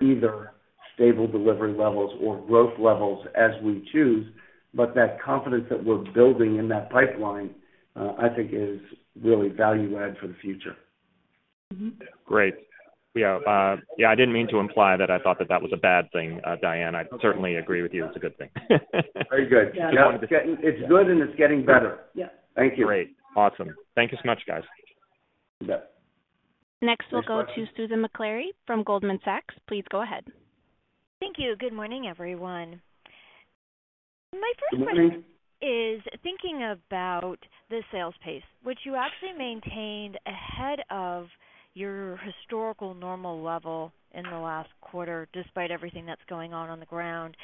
either stable delivery levels or growth levels as we choose. That confidence that we're building in that pipeline, I think is really value add for the future. Great. Yeah. I didn't mean to imply that I thought that that was a bad thing, Diane. I certainly agree with you. It's a good thing. Very good. Yeah. It's good and it's getting better. Yeah. Thank you. Great. Awesome. Thank you so much, guys. You bet. Next, we'll go to Susan Maklari from Goldman Sachs. Please go ahead. Thank you. Good morning, everyone. Good morning. My first question is thinking about the sales pace, which you actually maintained ahead of your historical normal level in the last quarter, despite everything that's going on on the ground.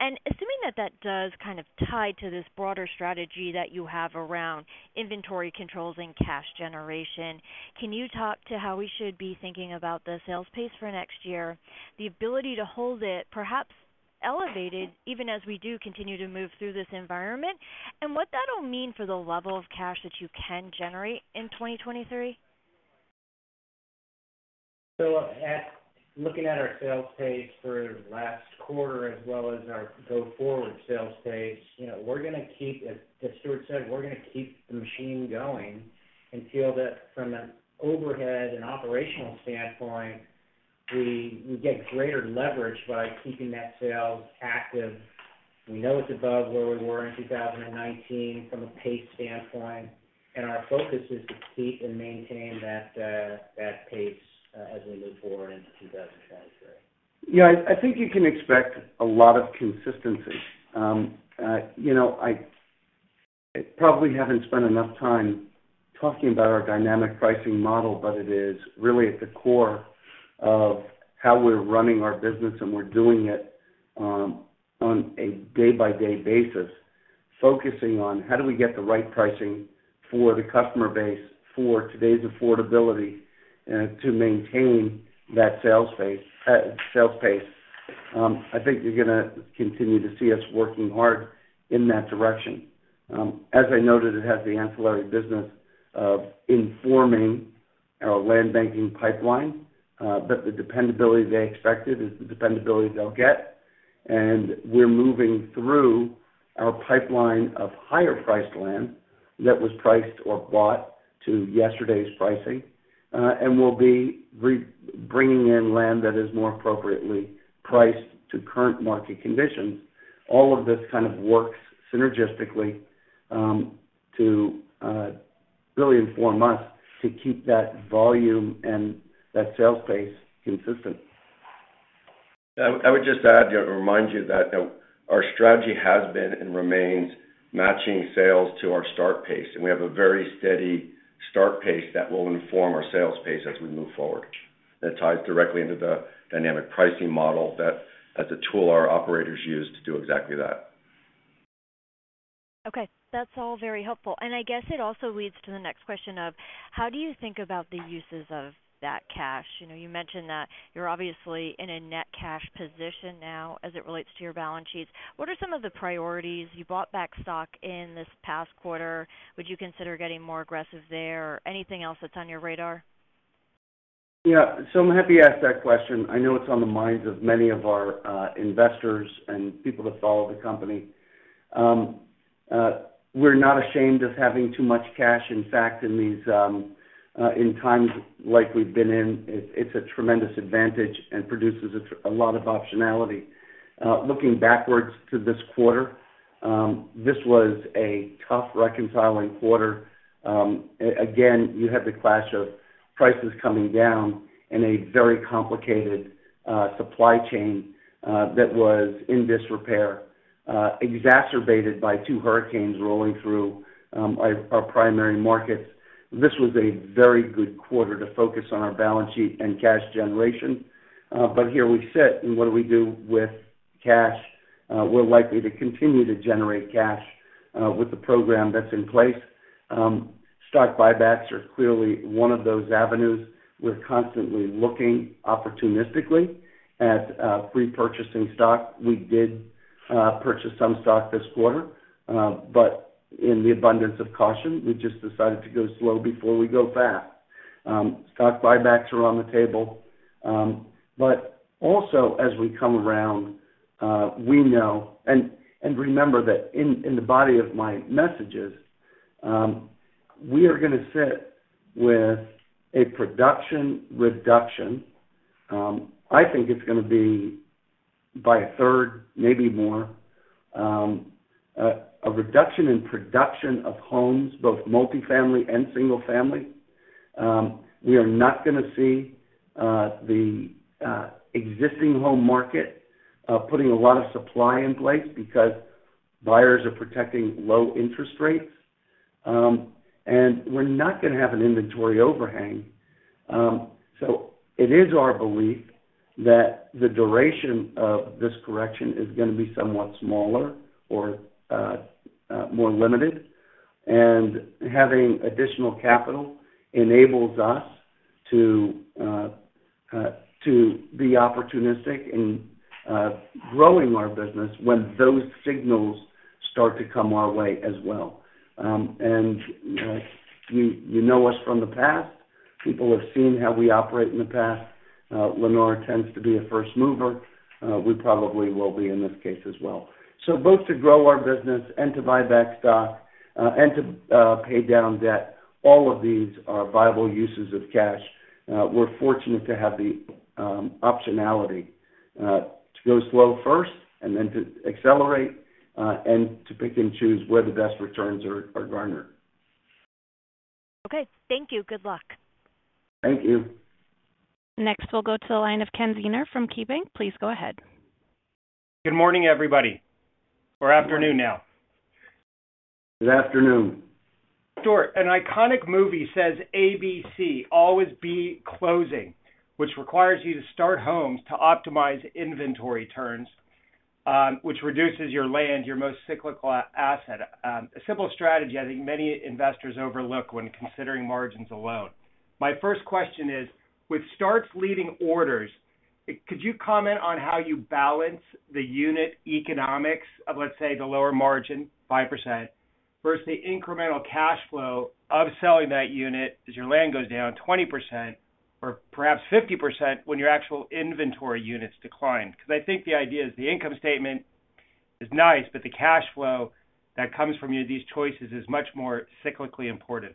Assuming that that does kind of tie to this broader strategy that you have around inventory controls and cash generation, can you talk to how we should be thinking about the sales pace for next year, the ability to hold it perhaps elevated even as we do continue to move through this environment, and what that'll mean for the level of cash that you can generate in 2023? Looking at our sales pace for last quarter as well as our go-forward sales pace, you know, we're gonna keep, as Stuart said, we're gonna keep the machine going and feel that from an overhead and operational standpoint, we get greater leverage by keeping that sales active. We know it's above where we were in 2019 from a pace standpoint, and our focus is to keep and maintain that pace as we move forward into 2023. Yeah. I think you can expect a lot of consistency. you know, I probably haven't spent enough time talking about our dynamic pricing model, but it is really at the core of how we're running our business, and we're doing it, on a day-by-day basis, focusing on how do we get the right pricing for the customer base for today's affordability, to maintain that sales phase, sales pace. I think you're gonna continue to see us working hard in that direction. As I noted, it has the ancillary business of informing our land banking pipeline, but the dependability they expected is the dependability they'll get. We're moving through our pipeline of higher priced land that was priced or bought to yesterday's pricing, and we'll be bringing in land that is more appropriately priced to current market conditions. All of this kind of works synergistically, to really inform us to keep that volume and that sales pace consistent. I would just add, you know, remind you that, you know, our strategy has been and remains matching sales to our start pace. We have a very steady start pace that will inform our sales pace as we move forward. That ties directly into the dynamic pricing model that as a tool our operators use to do exactly that. Okay. That's all very helpful. I guess it also leads to the next question of how do you think about the uses of that cash? You know, you mentioned that you're obviously in a net cash position now as it relates to your balance sheets. What are some of the priorities? You bought back stock in this past quarter. Would you consider getting more aggressive there or anything else that's on your radar? Yeah. I'm happy you asked that question. I know it's on the minds of many of our investors and people that follow the company. We're not ashamed of having too much cash. In fact, in these times like we've been in, it's a tremendous advantage and produces a lot of optionality. Looking backwards to this quarter, this was a tough reconciling quarter. Again, you have the clash of prices coming down and a very complicated supply chain that was in disrepair, exacerbated by two hurricanes rolling through our primary markets. This was a very good quarter to focus on our balance sheet and cash generation. Here we sit and what do we do with cash? We're likely to continue to generate cash with the program that's in place. Stock buybacks are clearly 1 of those avenues. We're constantly looking opportunistically at repurchasing stock, we did purchase some stock this quarter. In the abundance of caution, we just decided to go slow before we go fast. Stock buybacks are on the table. Also as we come around, we know. Remember that in the body of my messages, we are gonna sit with a production reduction. I think it's gonna be by a third, maybe more. A reduction in production of homes, both multifamily and single family. We are not gonna see the existing home market putting a lot of supply in place because buyers are protecting low interest rates. We're not gonna have an inventory overhang. It is our belief that the duration of this correction is gonna be somewhat smaller or more limited. Having additional capital enables us to be opportunistic in growing our business when those signals start to come our way as well. You know us from the past, people have seen how we operate in the past. Lennar tends to be a first mover. We probably will be in this case as well. Both to grow our business and to buy back stock and to pay down debt, all of these are viable uses of cash. We're fortunate to have the optionality to go slow first and then to accelerate and to pick and choose where the best returns are garnered. Okay. Thank you. Good luck. Thank you. Next, we'll go to the line of Ken Zener from KeyBanc. Please go ahead. Good morning, everybody. Good morning. Afternoon now. Good afternoon. Stuart, an iconic movie says ABC, Always Be Closing, which requires you to start homes to optimize inventory turns, which reduces your land, your most cyclical asset. A simple strategy I think many investors overlook when considering margins alone. My first question is, with starts leading orders, could you comment on how you balance the unit economics of, let's say, the lower margin, 5%, versus the incremental cash flow of selling that unit as your land goes down 20% or perhaps 50% when your actual inventory units decline? I think the idea is the income statement is nice, but the cash flow that comes from these choices is much more cyclically important.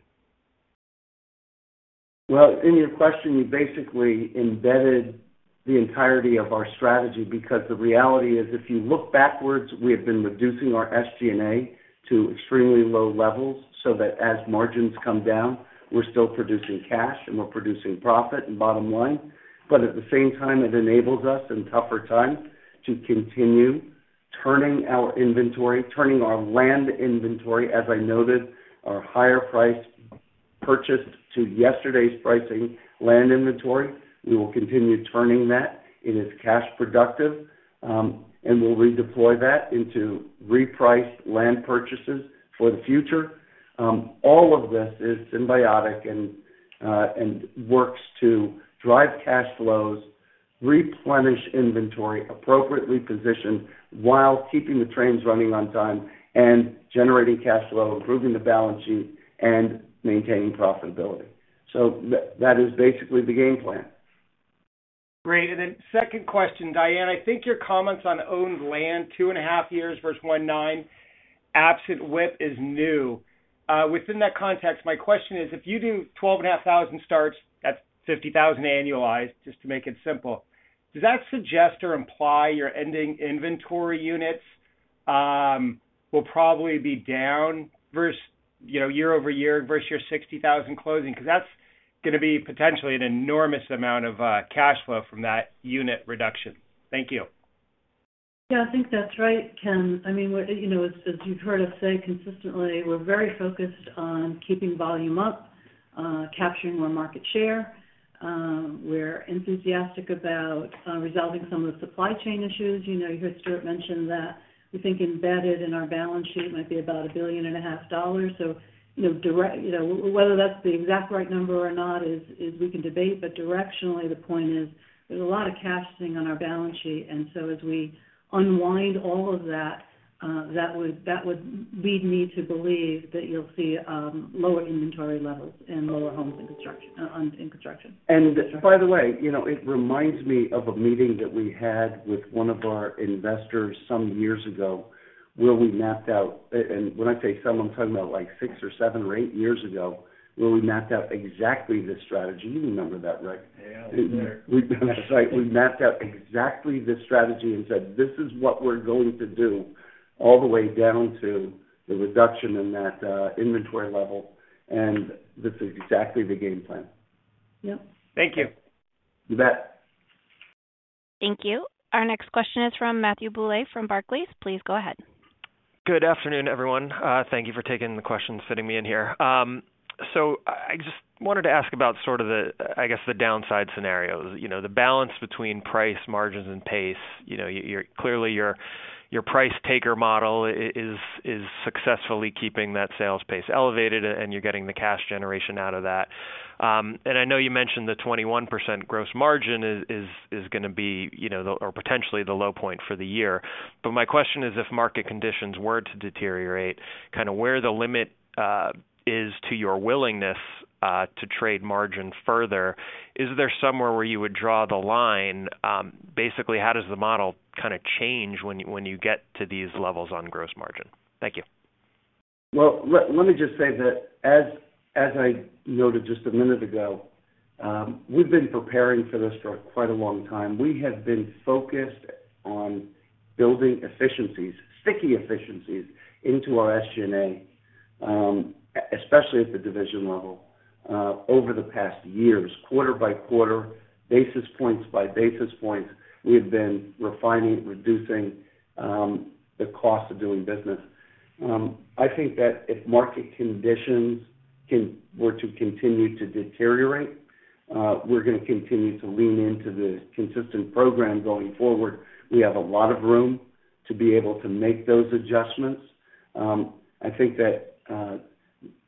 Well, in your question, you basically embedded the entirety of our strategy because the reality is, if you look backwards, we have been reducing our SG&A to extremely low levels so that as margins come down, we're still producing cash, and we're producing profit and bottom line. At the same time, it enables us, in tougher times, to continue turning our inventory, turning our land inventory, as I noted, our higher price purchased to yesterday's pricing land inventory. We will continue turning that. It is cash productive, and we'll redeploy that into repriced land purchases for the future. All of this is symbiotic and works to drive cash flows, replenish inventory, appropriately position while keeping the trains running on time and generating cash flow, improving the balance sheet and maintaining profitability. That is basically the game plan. Great. Second question. Diane, I think your comments on owned land 2.5 years versus 1.9, absent WIP, is new. Within that context, my question is, if you do 12,500 starts, that's 50,000 annualized, just to make it simple. Does that suggest or imply your ending inventory units will probably be down versus, you know, year-over-year versus your 60,000 closing? Because that's gonna be potentially an enormous amount of cash flow from that unit reduction. Thank you. Yeah, I think that's right, Ken. I mean, what, you know, as you've heard us say consistently, we're very focused on keeping volume up, capturing more market share. We're enthusiastic about resolving some of the supply chain issues. You know, you heard Stuart mention that we think embedded in our balance sheet might be about a billion and a half dollars. You know, whether that's the exact right number or not is, we can debate, but directionally the point is there's a lot of cash sitting on our balance sheet. As we unwind all of that would lead me to believe that you'll see lower inventory levels and lower homes in construction. By the way, you know, it reminds me of a meeting that we had with one of our investors some years ago where we mapped out. When I say some, I'm talking about like six or seven or eight years ago, where we mapped out exactly this strategy. You remember that, Rick? Yes. We mapped out exactly this strategy and said, "This is what we're going to do all the way down to the reduction in that inventory level." This is exactly the game plan. Yep. Thank you. You bet. Thank you. Our next question is from Matthew Bouley from Barclays. Please go ahead. Good afternoon, everyone. Thank you for taking the question, fitting me in here. I just wanted to ask about sort of the, I guess, the downside scenarios, you know, the balance between price margins and pace. You know, your, clearly your price taker model is successfully keeping that sales pace elevated, and you're getting the cash generation out of that. I know you mentioned the 21% gross margin is gonna be, you know, the, or potentially the low point for the year. My question is, if market conditions were to deteriorate, kind of where the limit is to your willingness to trade margin further. Is there somewhere where you would draw the line? Basically, how does the model kind of change when you, when you get to these levels on gross margin? Thank you. Well, let me just say that, as I noted just a minute ago, we've been preparing for this for quite a long time. We have been focused on building efficiencies, sticky efficiencies into our SG&A, especially at the division level, over the past years. Quarter by quarter, basis points by basis points, we have been refining, reducing, the cost of doing business. I think that if market conditions were to continue to deteriorate, we're gonna continue to lean into the consistent program going forward. We have a lot of room to be able to make those adjustments. I think that,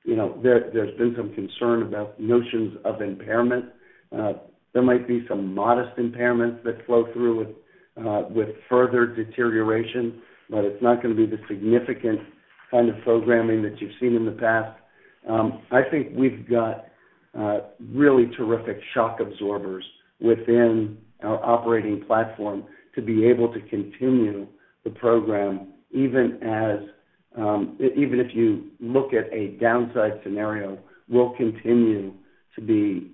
you know, there's been some concern about notions of impairment. There might be some modest impairments that flow through with further deterioration, but it's not gonna be the significant kind of programming that you've seen in the past. I think we've got really terrific shock absorbers within our operating platform to be able to continue the program even as even if you look at a downside scenario, we'll continue to be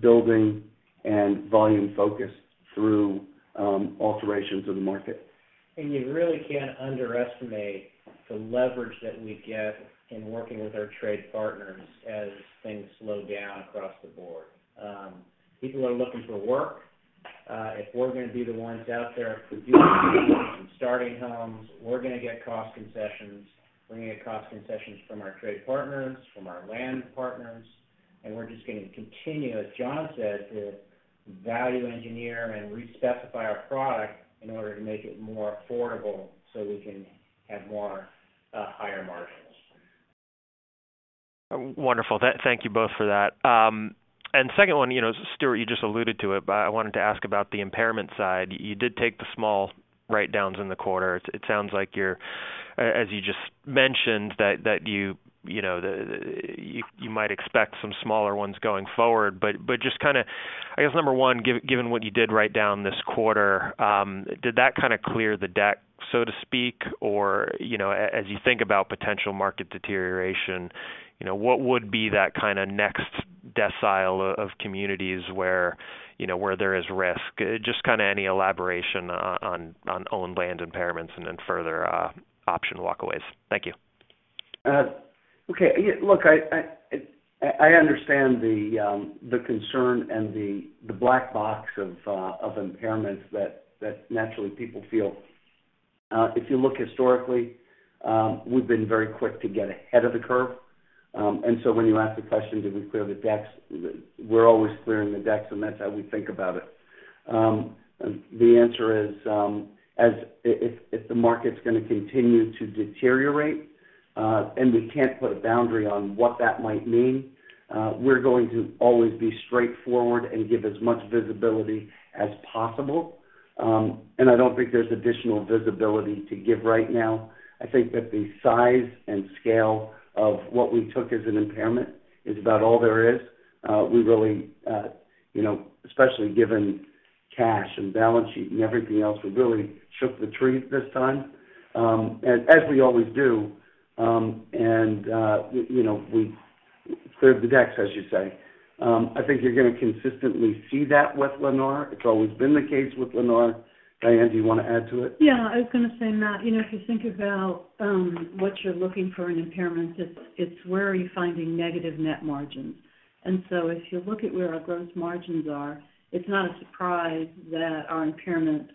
building and volume-focused through alterations of the market. You really can't underestimate the leverage that we get in working with our trade partners as things slow down across the board. People are looking for work. If we're gonna be the ones out there who do starting homes, we're gonna get cost concessions. We're gonna get cost concessions from our trade partners, from our land partners, and we're just gonna continue, as Jon said, to value engineer and respecify our product in order to make it more affordable so we can have more, higher margins. Wonderful. Thank you both for that. Second one, you know, Stuart, you just alluded to it, but I wanted to ask about the impairment side. You did take the small write-downs in the quarter. It sounds like you're, as you just mentioned, that you might expect some smaller ones going forward. Just kind of, I guess, number one, given what you did write down this quarter, did that kind of clear the deck, so to speak? You know, as you think about potential market deterioration, you know, what would be that kind of next decile of communities where, you know, where there is risk? Just kind of any elaboration on owned land impairments and then further option walkaways. Thank you. Okay. Yeah, look, I understand the concern and the black box of impairments that naturally people feel. If you look historically, we've been very quick to get ahead of the curve. When you ask the question, did we clear the decks? We're always clearing the decks, and that's how we think about it. The answer is, if the market's gonna continue to deteriorate, and we can't put a boundary on what that might mean, we're going to always be straightforward and give as much visibility as possible. I don't think there's additional visibility to give right now. I think that the size and scale of what we took as an impairment is about all there is. We really, you know, especially given cash and balance sheet and everything else, we really shook the trees this time, as we always do. You, you know, we cleared the decks, as you say. I think you're gonna consistently see that with Lennar. It's always been the case with Lennar. Diane, do you want to add to it? Yeah, I was gonna say, Matt, you know, if you think about what you're looking for in impairments, it's where are you finding negative net margins. If you look at where our gross margins are, it's not a surprise that our impairment,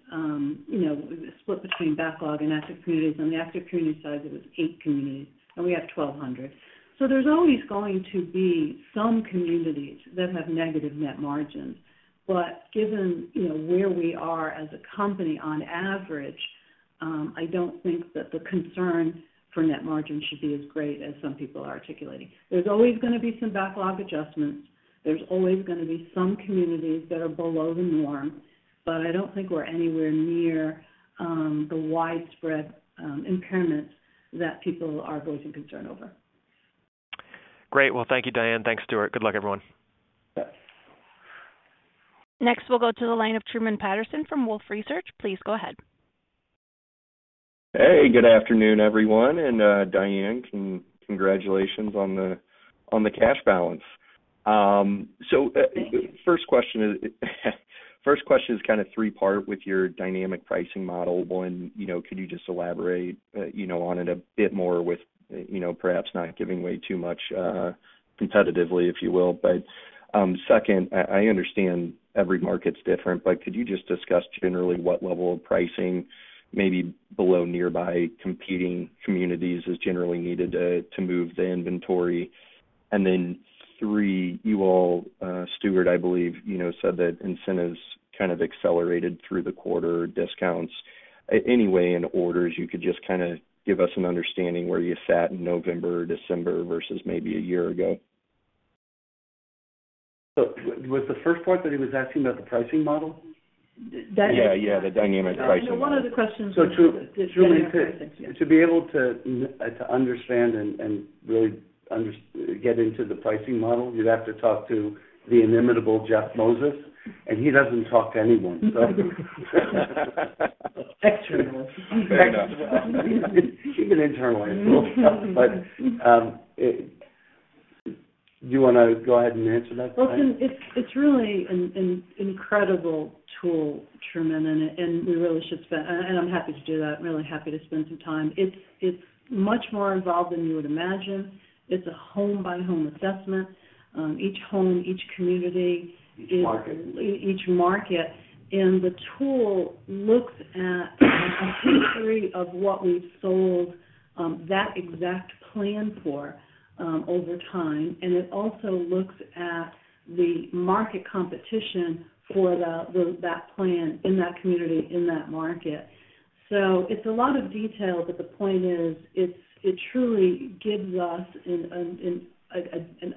you know, split between backlog and active communities. On the active community side, it was eight communities, and we have 1,200. There's always going to be some communities that have negative net margins. Given, you know, where we are as a company on average, I don't think that the concern for net margin should be as great as some people are articulating. There's always gonna be some backlog adjustments. There's always gonna be some communities that are below the norm. I don't think we're anywhere near the widespread impairments that people are voicing concern over. Great. Well, thank you, Diane. Thanks, Stuart. Good luck, everyone. Yes. Next, we'll go to the line of Truman Patterson from Wolfe Research. Please go ahead. Hey, good afternoon, everyone. Diane, congratulations on the cash balance. Thank you. First question is kind of three-part with your dynamic pricing model. One, you know, could you just elaborate, you know, on it a bit more with, you know, perhaps not giving away too much competitively, if you will. Second, I understand every market's different, but could you just discuss generally what level of pricing maybe below nearby competing communities is generally needed to move the inventory? Three, you all, Stuart, I believe, you know, said that incentives kind of accelerated through the quarter discounts. Any way in orders you could just kind of give us an understanding where you sat in November, December, versus maybe a year ago. Was the first part that he was asking about the pricing model? D-dynamic. Yeah, yeah, the dynamic pricing. No, one of the questions was. To really to be able to understand and really get into the pricing model, you'd have to talk to the inimitable Jeff Moses, and he doesn't talk to anyone, so. Externally. Even internally. Do you wanna go ahead and answer that, Diane? Well, it's really an incredible tool, Truman, and we really should spend, I'm happy to do that, really happy to spend some time. It's much more involved than you would imagine. It's a home by home assessment. Each home, each community. Market. Each market. The tool looks at a history of what we've sold, that exact plan for, over time. It also looks at the market competition for that plan in that community, in that market. It's a lot of detail, but the point is, it's, it truly gives us an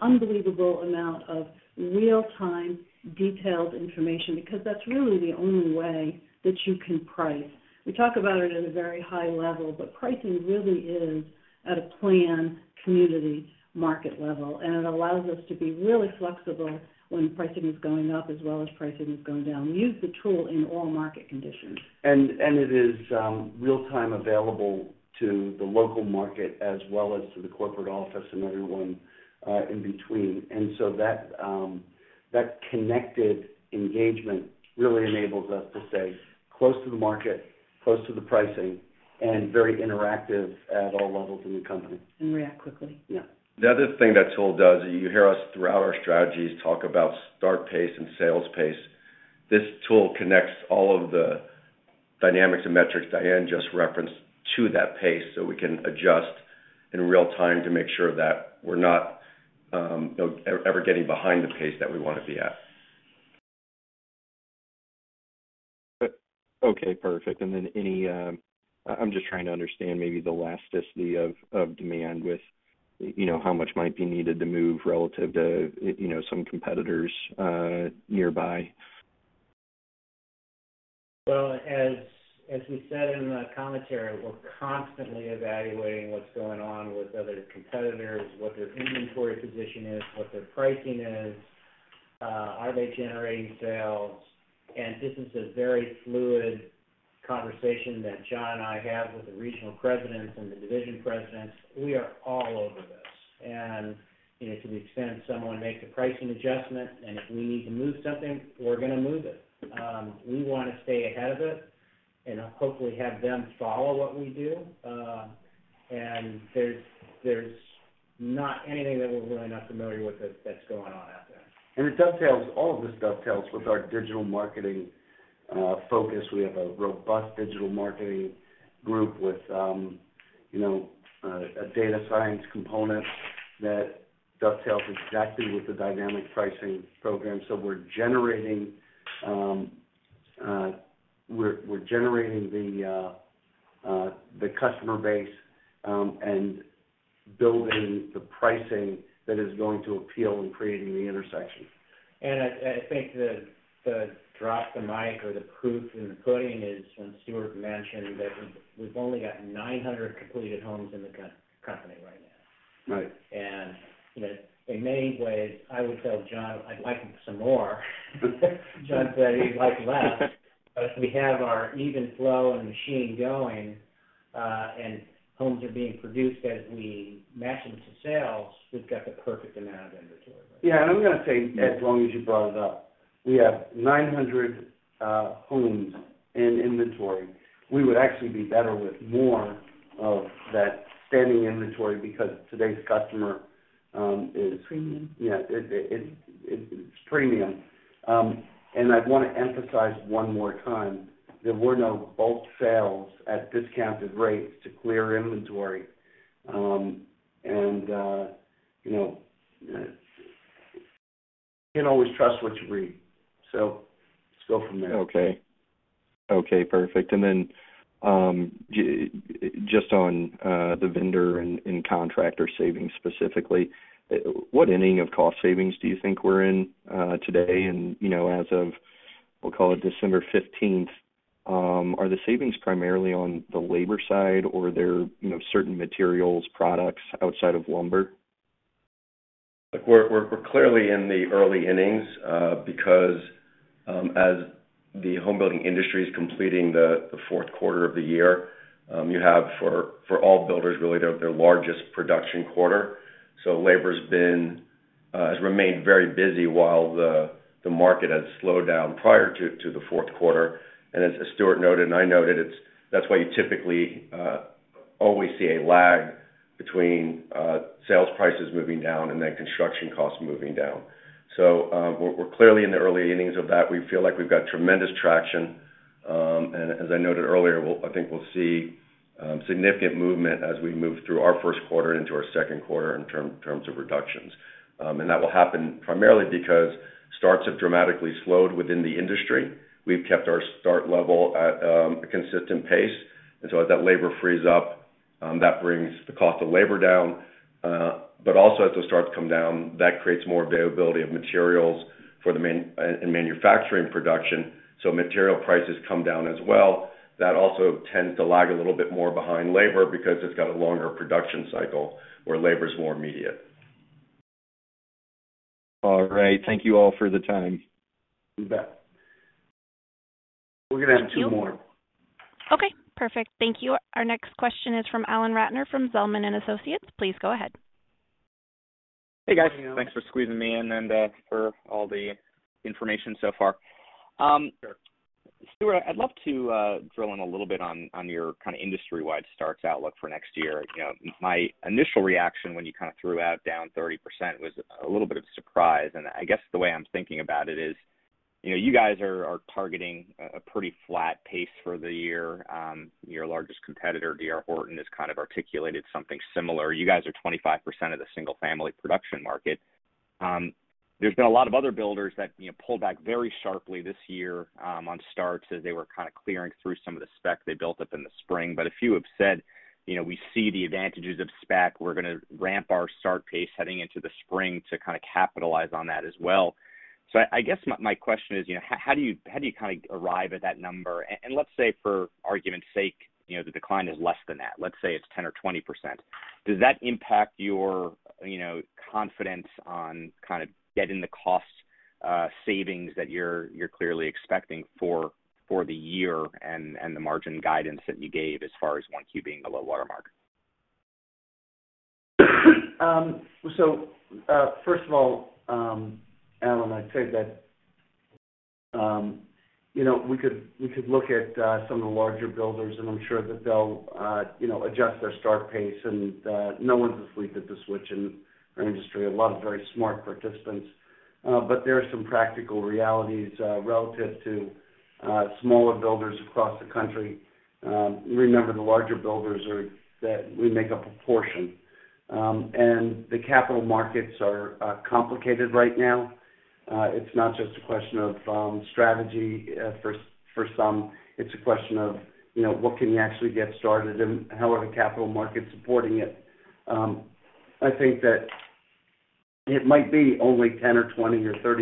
unbelievable amount of real-time, detailed information, because that's really the only way that you can price. We talk about it at a very high level, but pricing really is at a plan community market level, and it allows us to be really flexible when pricing is going up as well as pricing is going down. We use the tool in all market conditions. It is real-time available to the local market as well as to the corporate office and everyone in between. That connected engagement really enables us to stay close to the market, close to the pricing, and very interactive at all levels in the company. React quickly. Yeah. The other thing that tool does, you hear us throughout our strategies talk about start pace and sales pace. This tool connects all of the dynamics and metrics Diane just referenced to that pace, so we can adjust in real time to make sure that we're not, you know, ever getting behind the pace that we wanna be at. Okay, perfect. Any, I'm just trying to understand maybe the elasticity of demand with, you know, how much might be needed to move relative to, you know, some competitors, nearby? Well, as we said in the commentary, we're constantly evaluating what's going on with other competitors, what their inventory position is, what their pricing is, are they generating sales? This is a very fluid conversation that Jon and I have with the regional presidents and the division presidents. We are all over this. You know, to the extent someone makes a pricing adjustment, and if we need to move something, we're gonna move it. We wanna stay ahead of it and hopefully have them follow what we do. There's not anything that we're really not familiar with that's going on out there. It dovetails, all of this dovetails with our digital marketing focus. We have a robust digital marketing group with, you know, a data science component that dovetails exactly with the dynamic pricing program. We're generating the customer base and building the pricing that is going to appeal in creating the intersection. I think the drop the mic or the proof in the pudding is when Stuart mentioned that we've only got 900 completed homes in the co-company right now. Right. You know, in many ways, I would tell Jon I'd like some more. Jon said he'd like less. If we have our even flow and machine going, and homes are being produced as we match them to sales, we've got the perfect amount of inventory. Yeah. I'm gonna say, Ed, as long as you brought it up, we have 900 homes in inventory. We would actually be better with more of that standing inventory because today's customer. Premium. Yeah. It's premium. I'd want to emphasize one more time that we're not bulk sales at discounted rates to clear inventory. You know, you can't always trust what you read. Let's go from there. Okay. Okay, perfect. Just on the vendor and contractor savings specifically, what inning of cost savings do you think we're in today? As of, we'll call it December 15th, are the savings primarily on the labor side or there certain materials, products outside of lumber? Look, we're clearly in the early innings, because as the home building industry is completing the fourth quarter of the year, you have for all builders, really their largest production quarter. Labor's been has remained very busy while the market has slowed down prior to the fourth quarter. As Stuart noted and I noted, that's why you typically always see a lag between sales prices moving down and then construction costs moving down. We're clearly in the early innings of that. We feel like we've got tremendous traction. As I noted earlier, I think we'll see significant movement as we move through our first quarter into our second quarter in terms of reductions. That will happen primarily because starts have dramatically slowed within the industry. We've kept our start level at, a consistent pace, and so as that labor frees up, that brings the cost of labor down. Also as the starts come down, that creates more availability of materials for the in manufacturing production, so material prices come down as well. That also tends to lag a little bit more behind labor because it's got a longer production cycle where labor's more immediate. All right. Thank you all for the time. You bet. We're gonna have two more. Okay, perfect. Thank you. Our next question is from Alan Ratner from Zelman & Associates. Please go ahead. Hey, guys. Thanks for squeezing me in and for all the information so far. Sure. Stuart, I'd love to drill in a little bit on your kind of industry-wide starts outlook for next year. You know, my initial reaction when you kind of threw out down 30% was a little bit of surprise. I guess the way I'm thinking about it is, you know, you guys are targeting a pretty flat pace for the year. Your largest competitor, D.R. Horton, has kind of articulated something similar. You guys are 25% of the single-family production market. There's been a lot of other builders that, you know, pulled back very sharply this year on starts as they were kind of clearing through some of the spec they built up in the spring. A few have said, you know, we see the advantages of spec. We're gonna ramp our start pace heading into the spring to kind of capitalize on that as well. I guess my question is, you know, how do you kind of arrive at that number? Let's say for argument's sake, you know, the decline is less than that. Let's say it's 10% or 20%. Does that impact your, you know, confidence on kind of getting the cost savings that you're clearly expecting for the year and the margin guidance that you gave as far as 1Q being the low water mark? First of all, Alan, I'd say that, you know, we could look at some of the larger builders, and I'm sure that they'll, you know, adjust their start pace and no one's asleep at the switch in our industry, a lot of very smart participants. There are some practical realities relative to smaller builders across the country. Remember, the larger builders are that we make a proportion. The capital markets are complicated right now. It's not just a question of strategy. For some, it's a question of, you know, what can you actually get started and how are the capital markets supporting it? I think that it might be only 10% or 20% or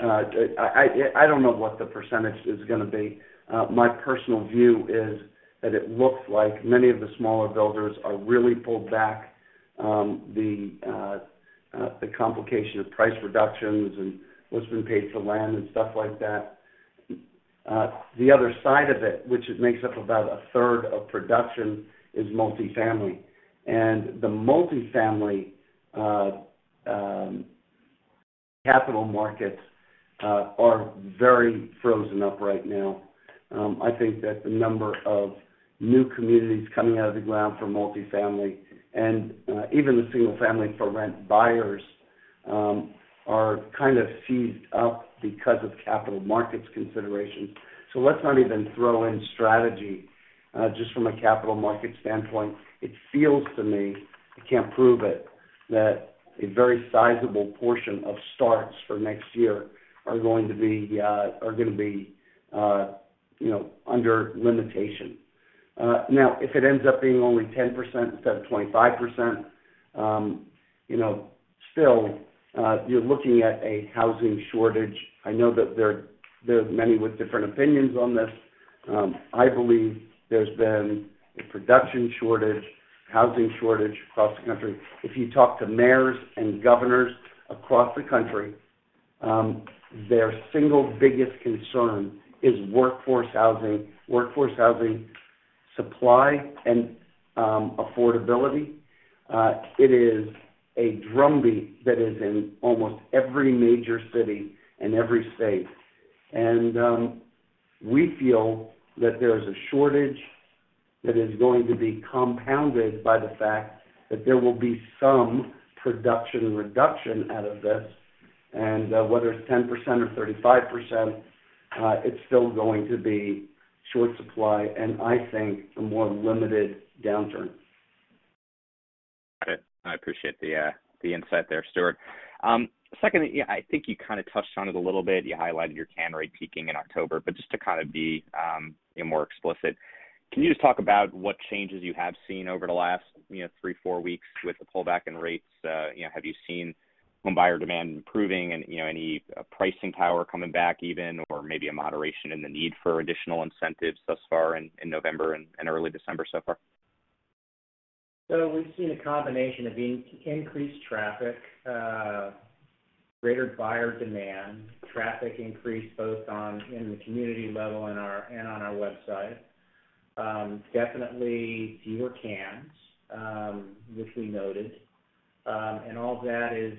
30%. I don't know what the percentage is gonna be. My personal view is that it looks like many of the smaller builders are really pulled back, the complication of price reductions and what's been paid for land and stuff like that. The other side of it, which it makes up about a third of production, is multifamily. The multifamily capital markets are very frozen up right now. I think that the number of new communities coming out of the ground for multifamily and even the single-family for rent buyers are kind of seized up because of capital markets considerations. Let's not even throw in strategy, just from a capital market standpoint. It feels to me, I can't prove it, that a very sizable portion of starts for next year are gonna be, you know, under limitation. Now, if it ends up being only 10% instead of 25%, you know, still, you're looking at a housing shortage. I know that there are many with different opinions on this. I believe there's been a production shortage, housing shortage across the country. If you talk to mayors and governors across the country, their single biggest concern is workforce housing, workforce housing supply and affordability. It is a drumbeat that is in almost every major city and every state. We feel that there is a shortage that is going to be compounded by the fact that there will be some production reduction out of this. Whether it's 10% or 35%, it's still going to be short supply and I think a more limited downturn. Got it. I appreciate the insight there, Stuart. second, yeah, I think you kind of touched on it a little bit. You highlighted your ten-year rate peaking in October, just to kind of be, you know, more explicit, can you just talk about what changes you have seen over the last, you know, three, four weeks with the pullback in rates? you know, have you seen home buyer demand improving and, you know, any pricing power coming back even, or maybe a moderation in the need for additional incentives thus far in November and early December so far? We've seen a combination of increased traffic, greater buyer demand, traffic increase both on in the community level and on our website. Definitely fewer cans, which we noted. All that is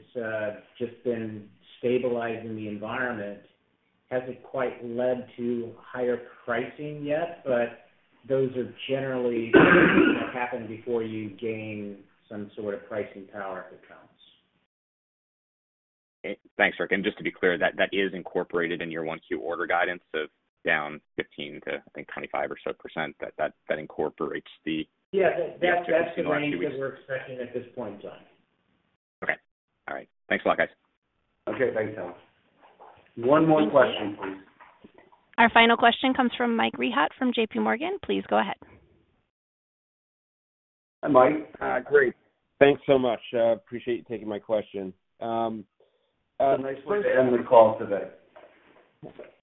just been stabilizing the environment hasn't quite led to higher pricing yet, but those are generally what happen before you gain some sort of pricing power if it comes. Thanks, Rick. Just to be clear, that is incorporated in your 1 Q order guidance of down 15%-25% or so, that incorporates. Yes, that's the range that we're expecting at this point in time. Okay. All right. Thanks a lot, guys. Okay. Thanks, Tom. One more question, please. Our final question comes from Michael Rehaut from J.P. Morgan. Please go ahead. Hi, Mike. Great. Thanks so much. Appreciate you taking my question. It's a nice way to end the call today.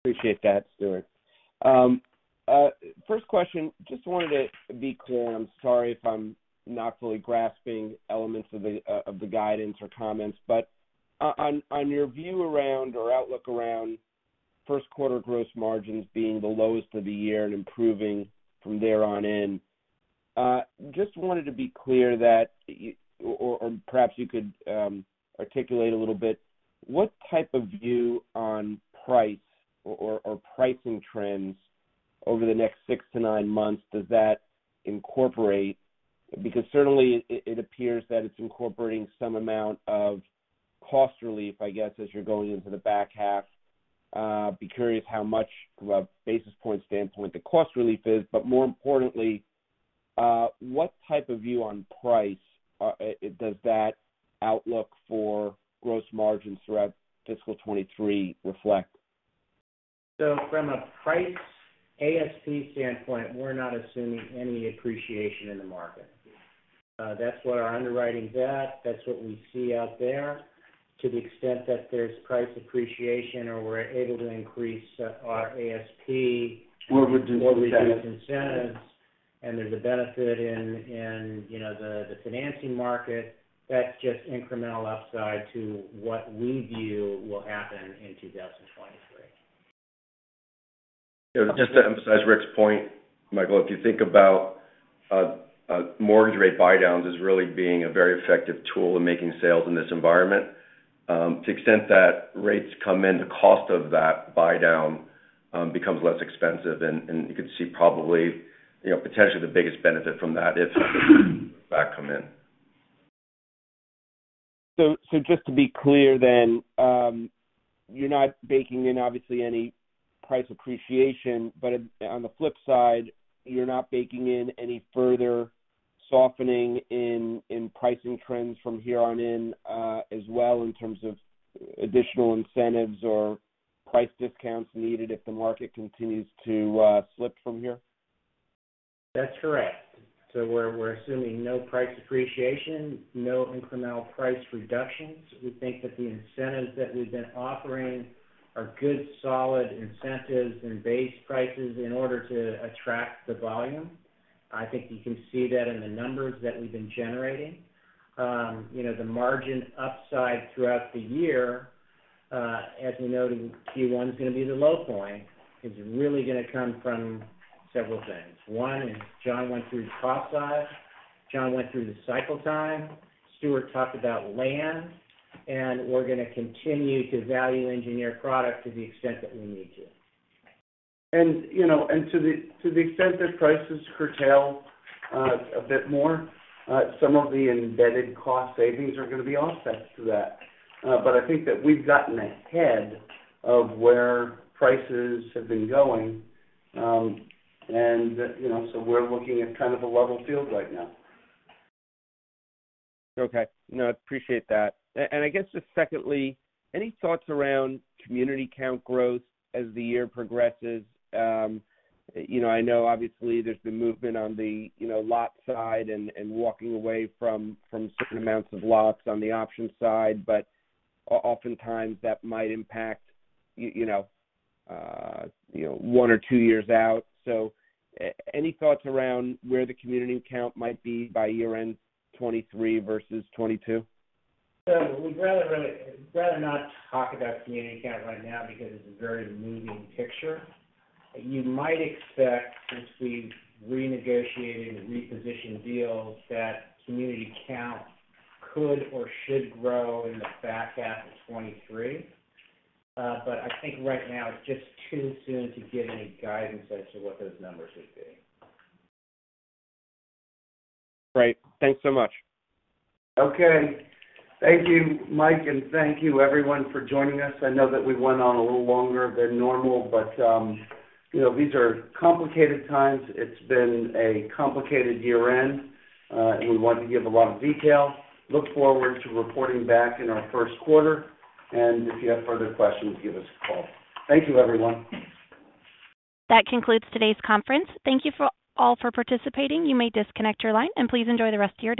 Appreciate that, Stuart. First question, just wanted to be clear, and I'm sorry if I'm not fully grasping elements of the guidance or comments, but on your view around or outlook around first quarter gross margins being the lowest of the year and improving from there on in, just wanted to be clear that or perhaps you could articulate a little bit what type of view on price or pricing trends over the next six to nine months does that incorporate? Certainly it appears that it's incorporating some amount of cost relief, I guess, as you're going into the back half. Be curious how much from a basis point standpoint the cost relief is, but more importantly, what type of view on price, does that outlook for gross margins throughout fiscal 23 reflect? From a price ASP standpoint, we're not assuming any appreciation in the market. That's what our underwriting is at. That's what we see out there. To the extent that there's price appreciation or we're able to increase our ASP. Reduce incentives. Reduce incentives, and there's a benefit in, you know, the financing market, that's just incremental upside to what we view will happen in 2023. Just to emphasize Rick's point, Michael, if you think about mortgage rate buy downs as really being a very effective tool in making sales in this environment, to the extent that rates come in, the cost of that buy down becomes less expensive. You could see probably, you know, potentially the biggest benefit from that if come in. Just to be clear then, you're not baking in obviously any price appreciation, but on the flip side, you're not baking in any further softening in pricing trends from here on in, as well in terms of additional incentives or price discounts needed if the market continues to slip from here? That's correct. We're assuming no price appreciation, no incremental price reductions. We think that the incentives that we've been offering are good, solid incentives and base prices in order to attract the volume. I think you can see that in the numbers that we've been generating. you know, the margin upside throughout the year, as we noted, Q one is gonna be the low point, is really gonna come from several things. One, Jon went through the cost side, Jon went through the cycle time, Stuart talked about land, and we're gonna continue to value engineer product to the extent that we need to. You know, and to the, to the extent that prices curtail, a bit more, some of the embedded cost savings are gonna be offsets to that. I think that we've gotten ahead of where prices have been going, and, you know, so we're looking at kind of a level field right now. Okay. No, I appreciate that. I guess just secondly, any thoughts around community count growth as the year progresses? you know, I know obviously there's been movement on the, you know, lot side and walking away from certain amounts of lots on the option side, but oftentimes that might impact, you know, you know, one or two years out. Any thoughts around where the community count might be by year-end 2023 versus 2022? We'd rather not talk about community count right now because it's a very moving picture. You might expect, since we've renegotiated and repositioned deals, that community count could or should grow in the back half of 2023. I think right now it's just too soon to give any guidance as to what those numbers would be. Right. Thanks so much. Okay. Thank you, Mike, and thank you everyone for joining us. I know that we went on a little longer than normal, but, you know, these are complicated times. It's been a complicated year-end, and we wanted to give a lot of detail. Look forward to reporting back in our first quarter. If you have further questions, give us a call. Thank you, everyone. That concludes today's conference. Thank you for all for participating. You may disconnect your line and please enjoy the rest of your day.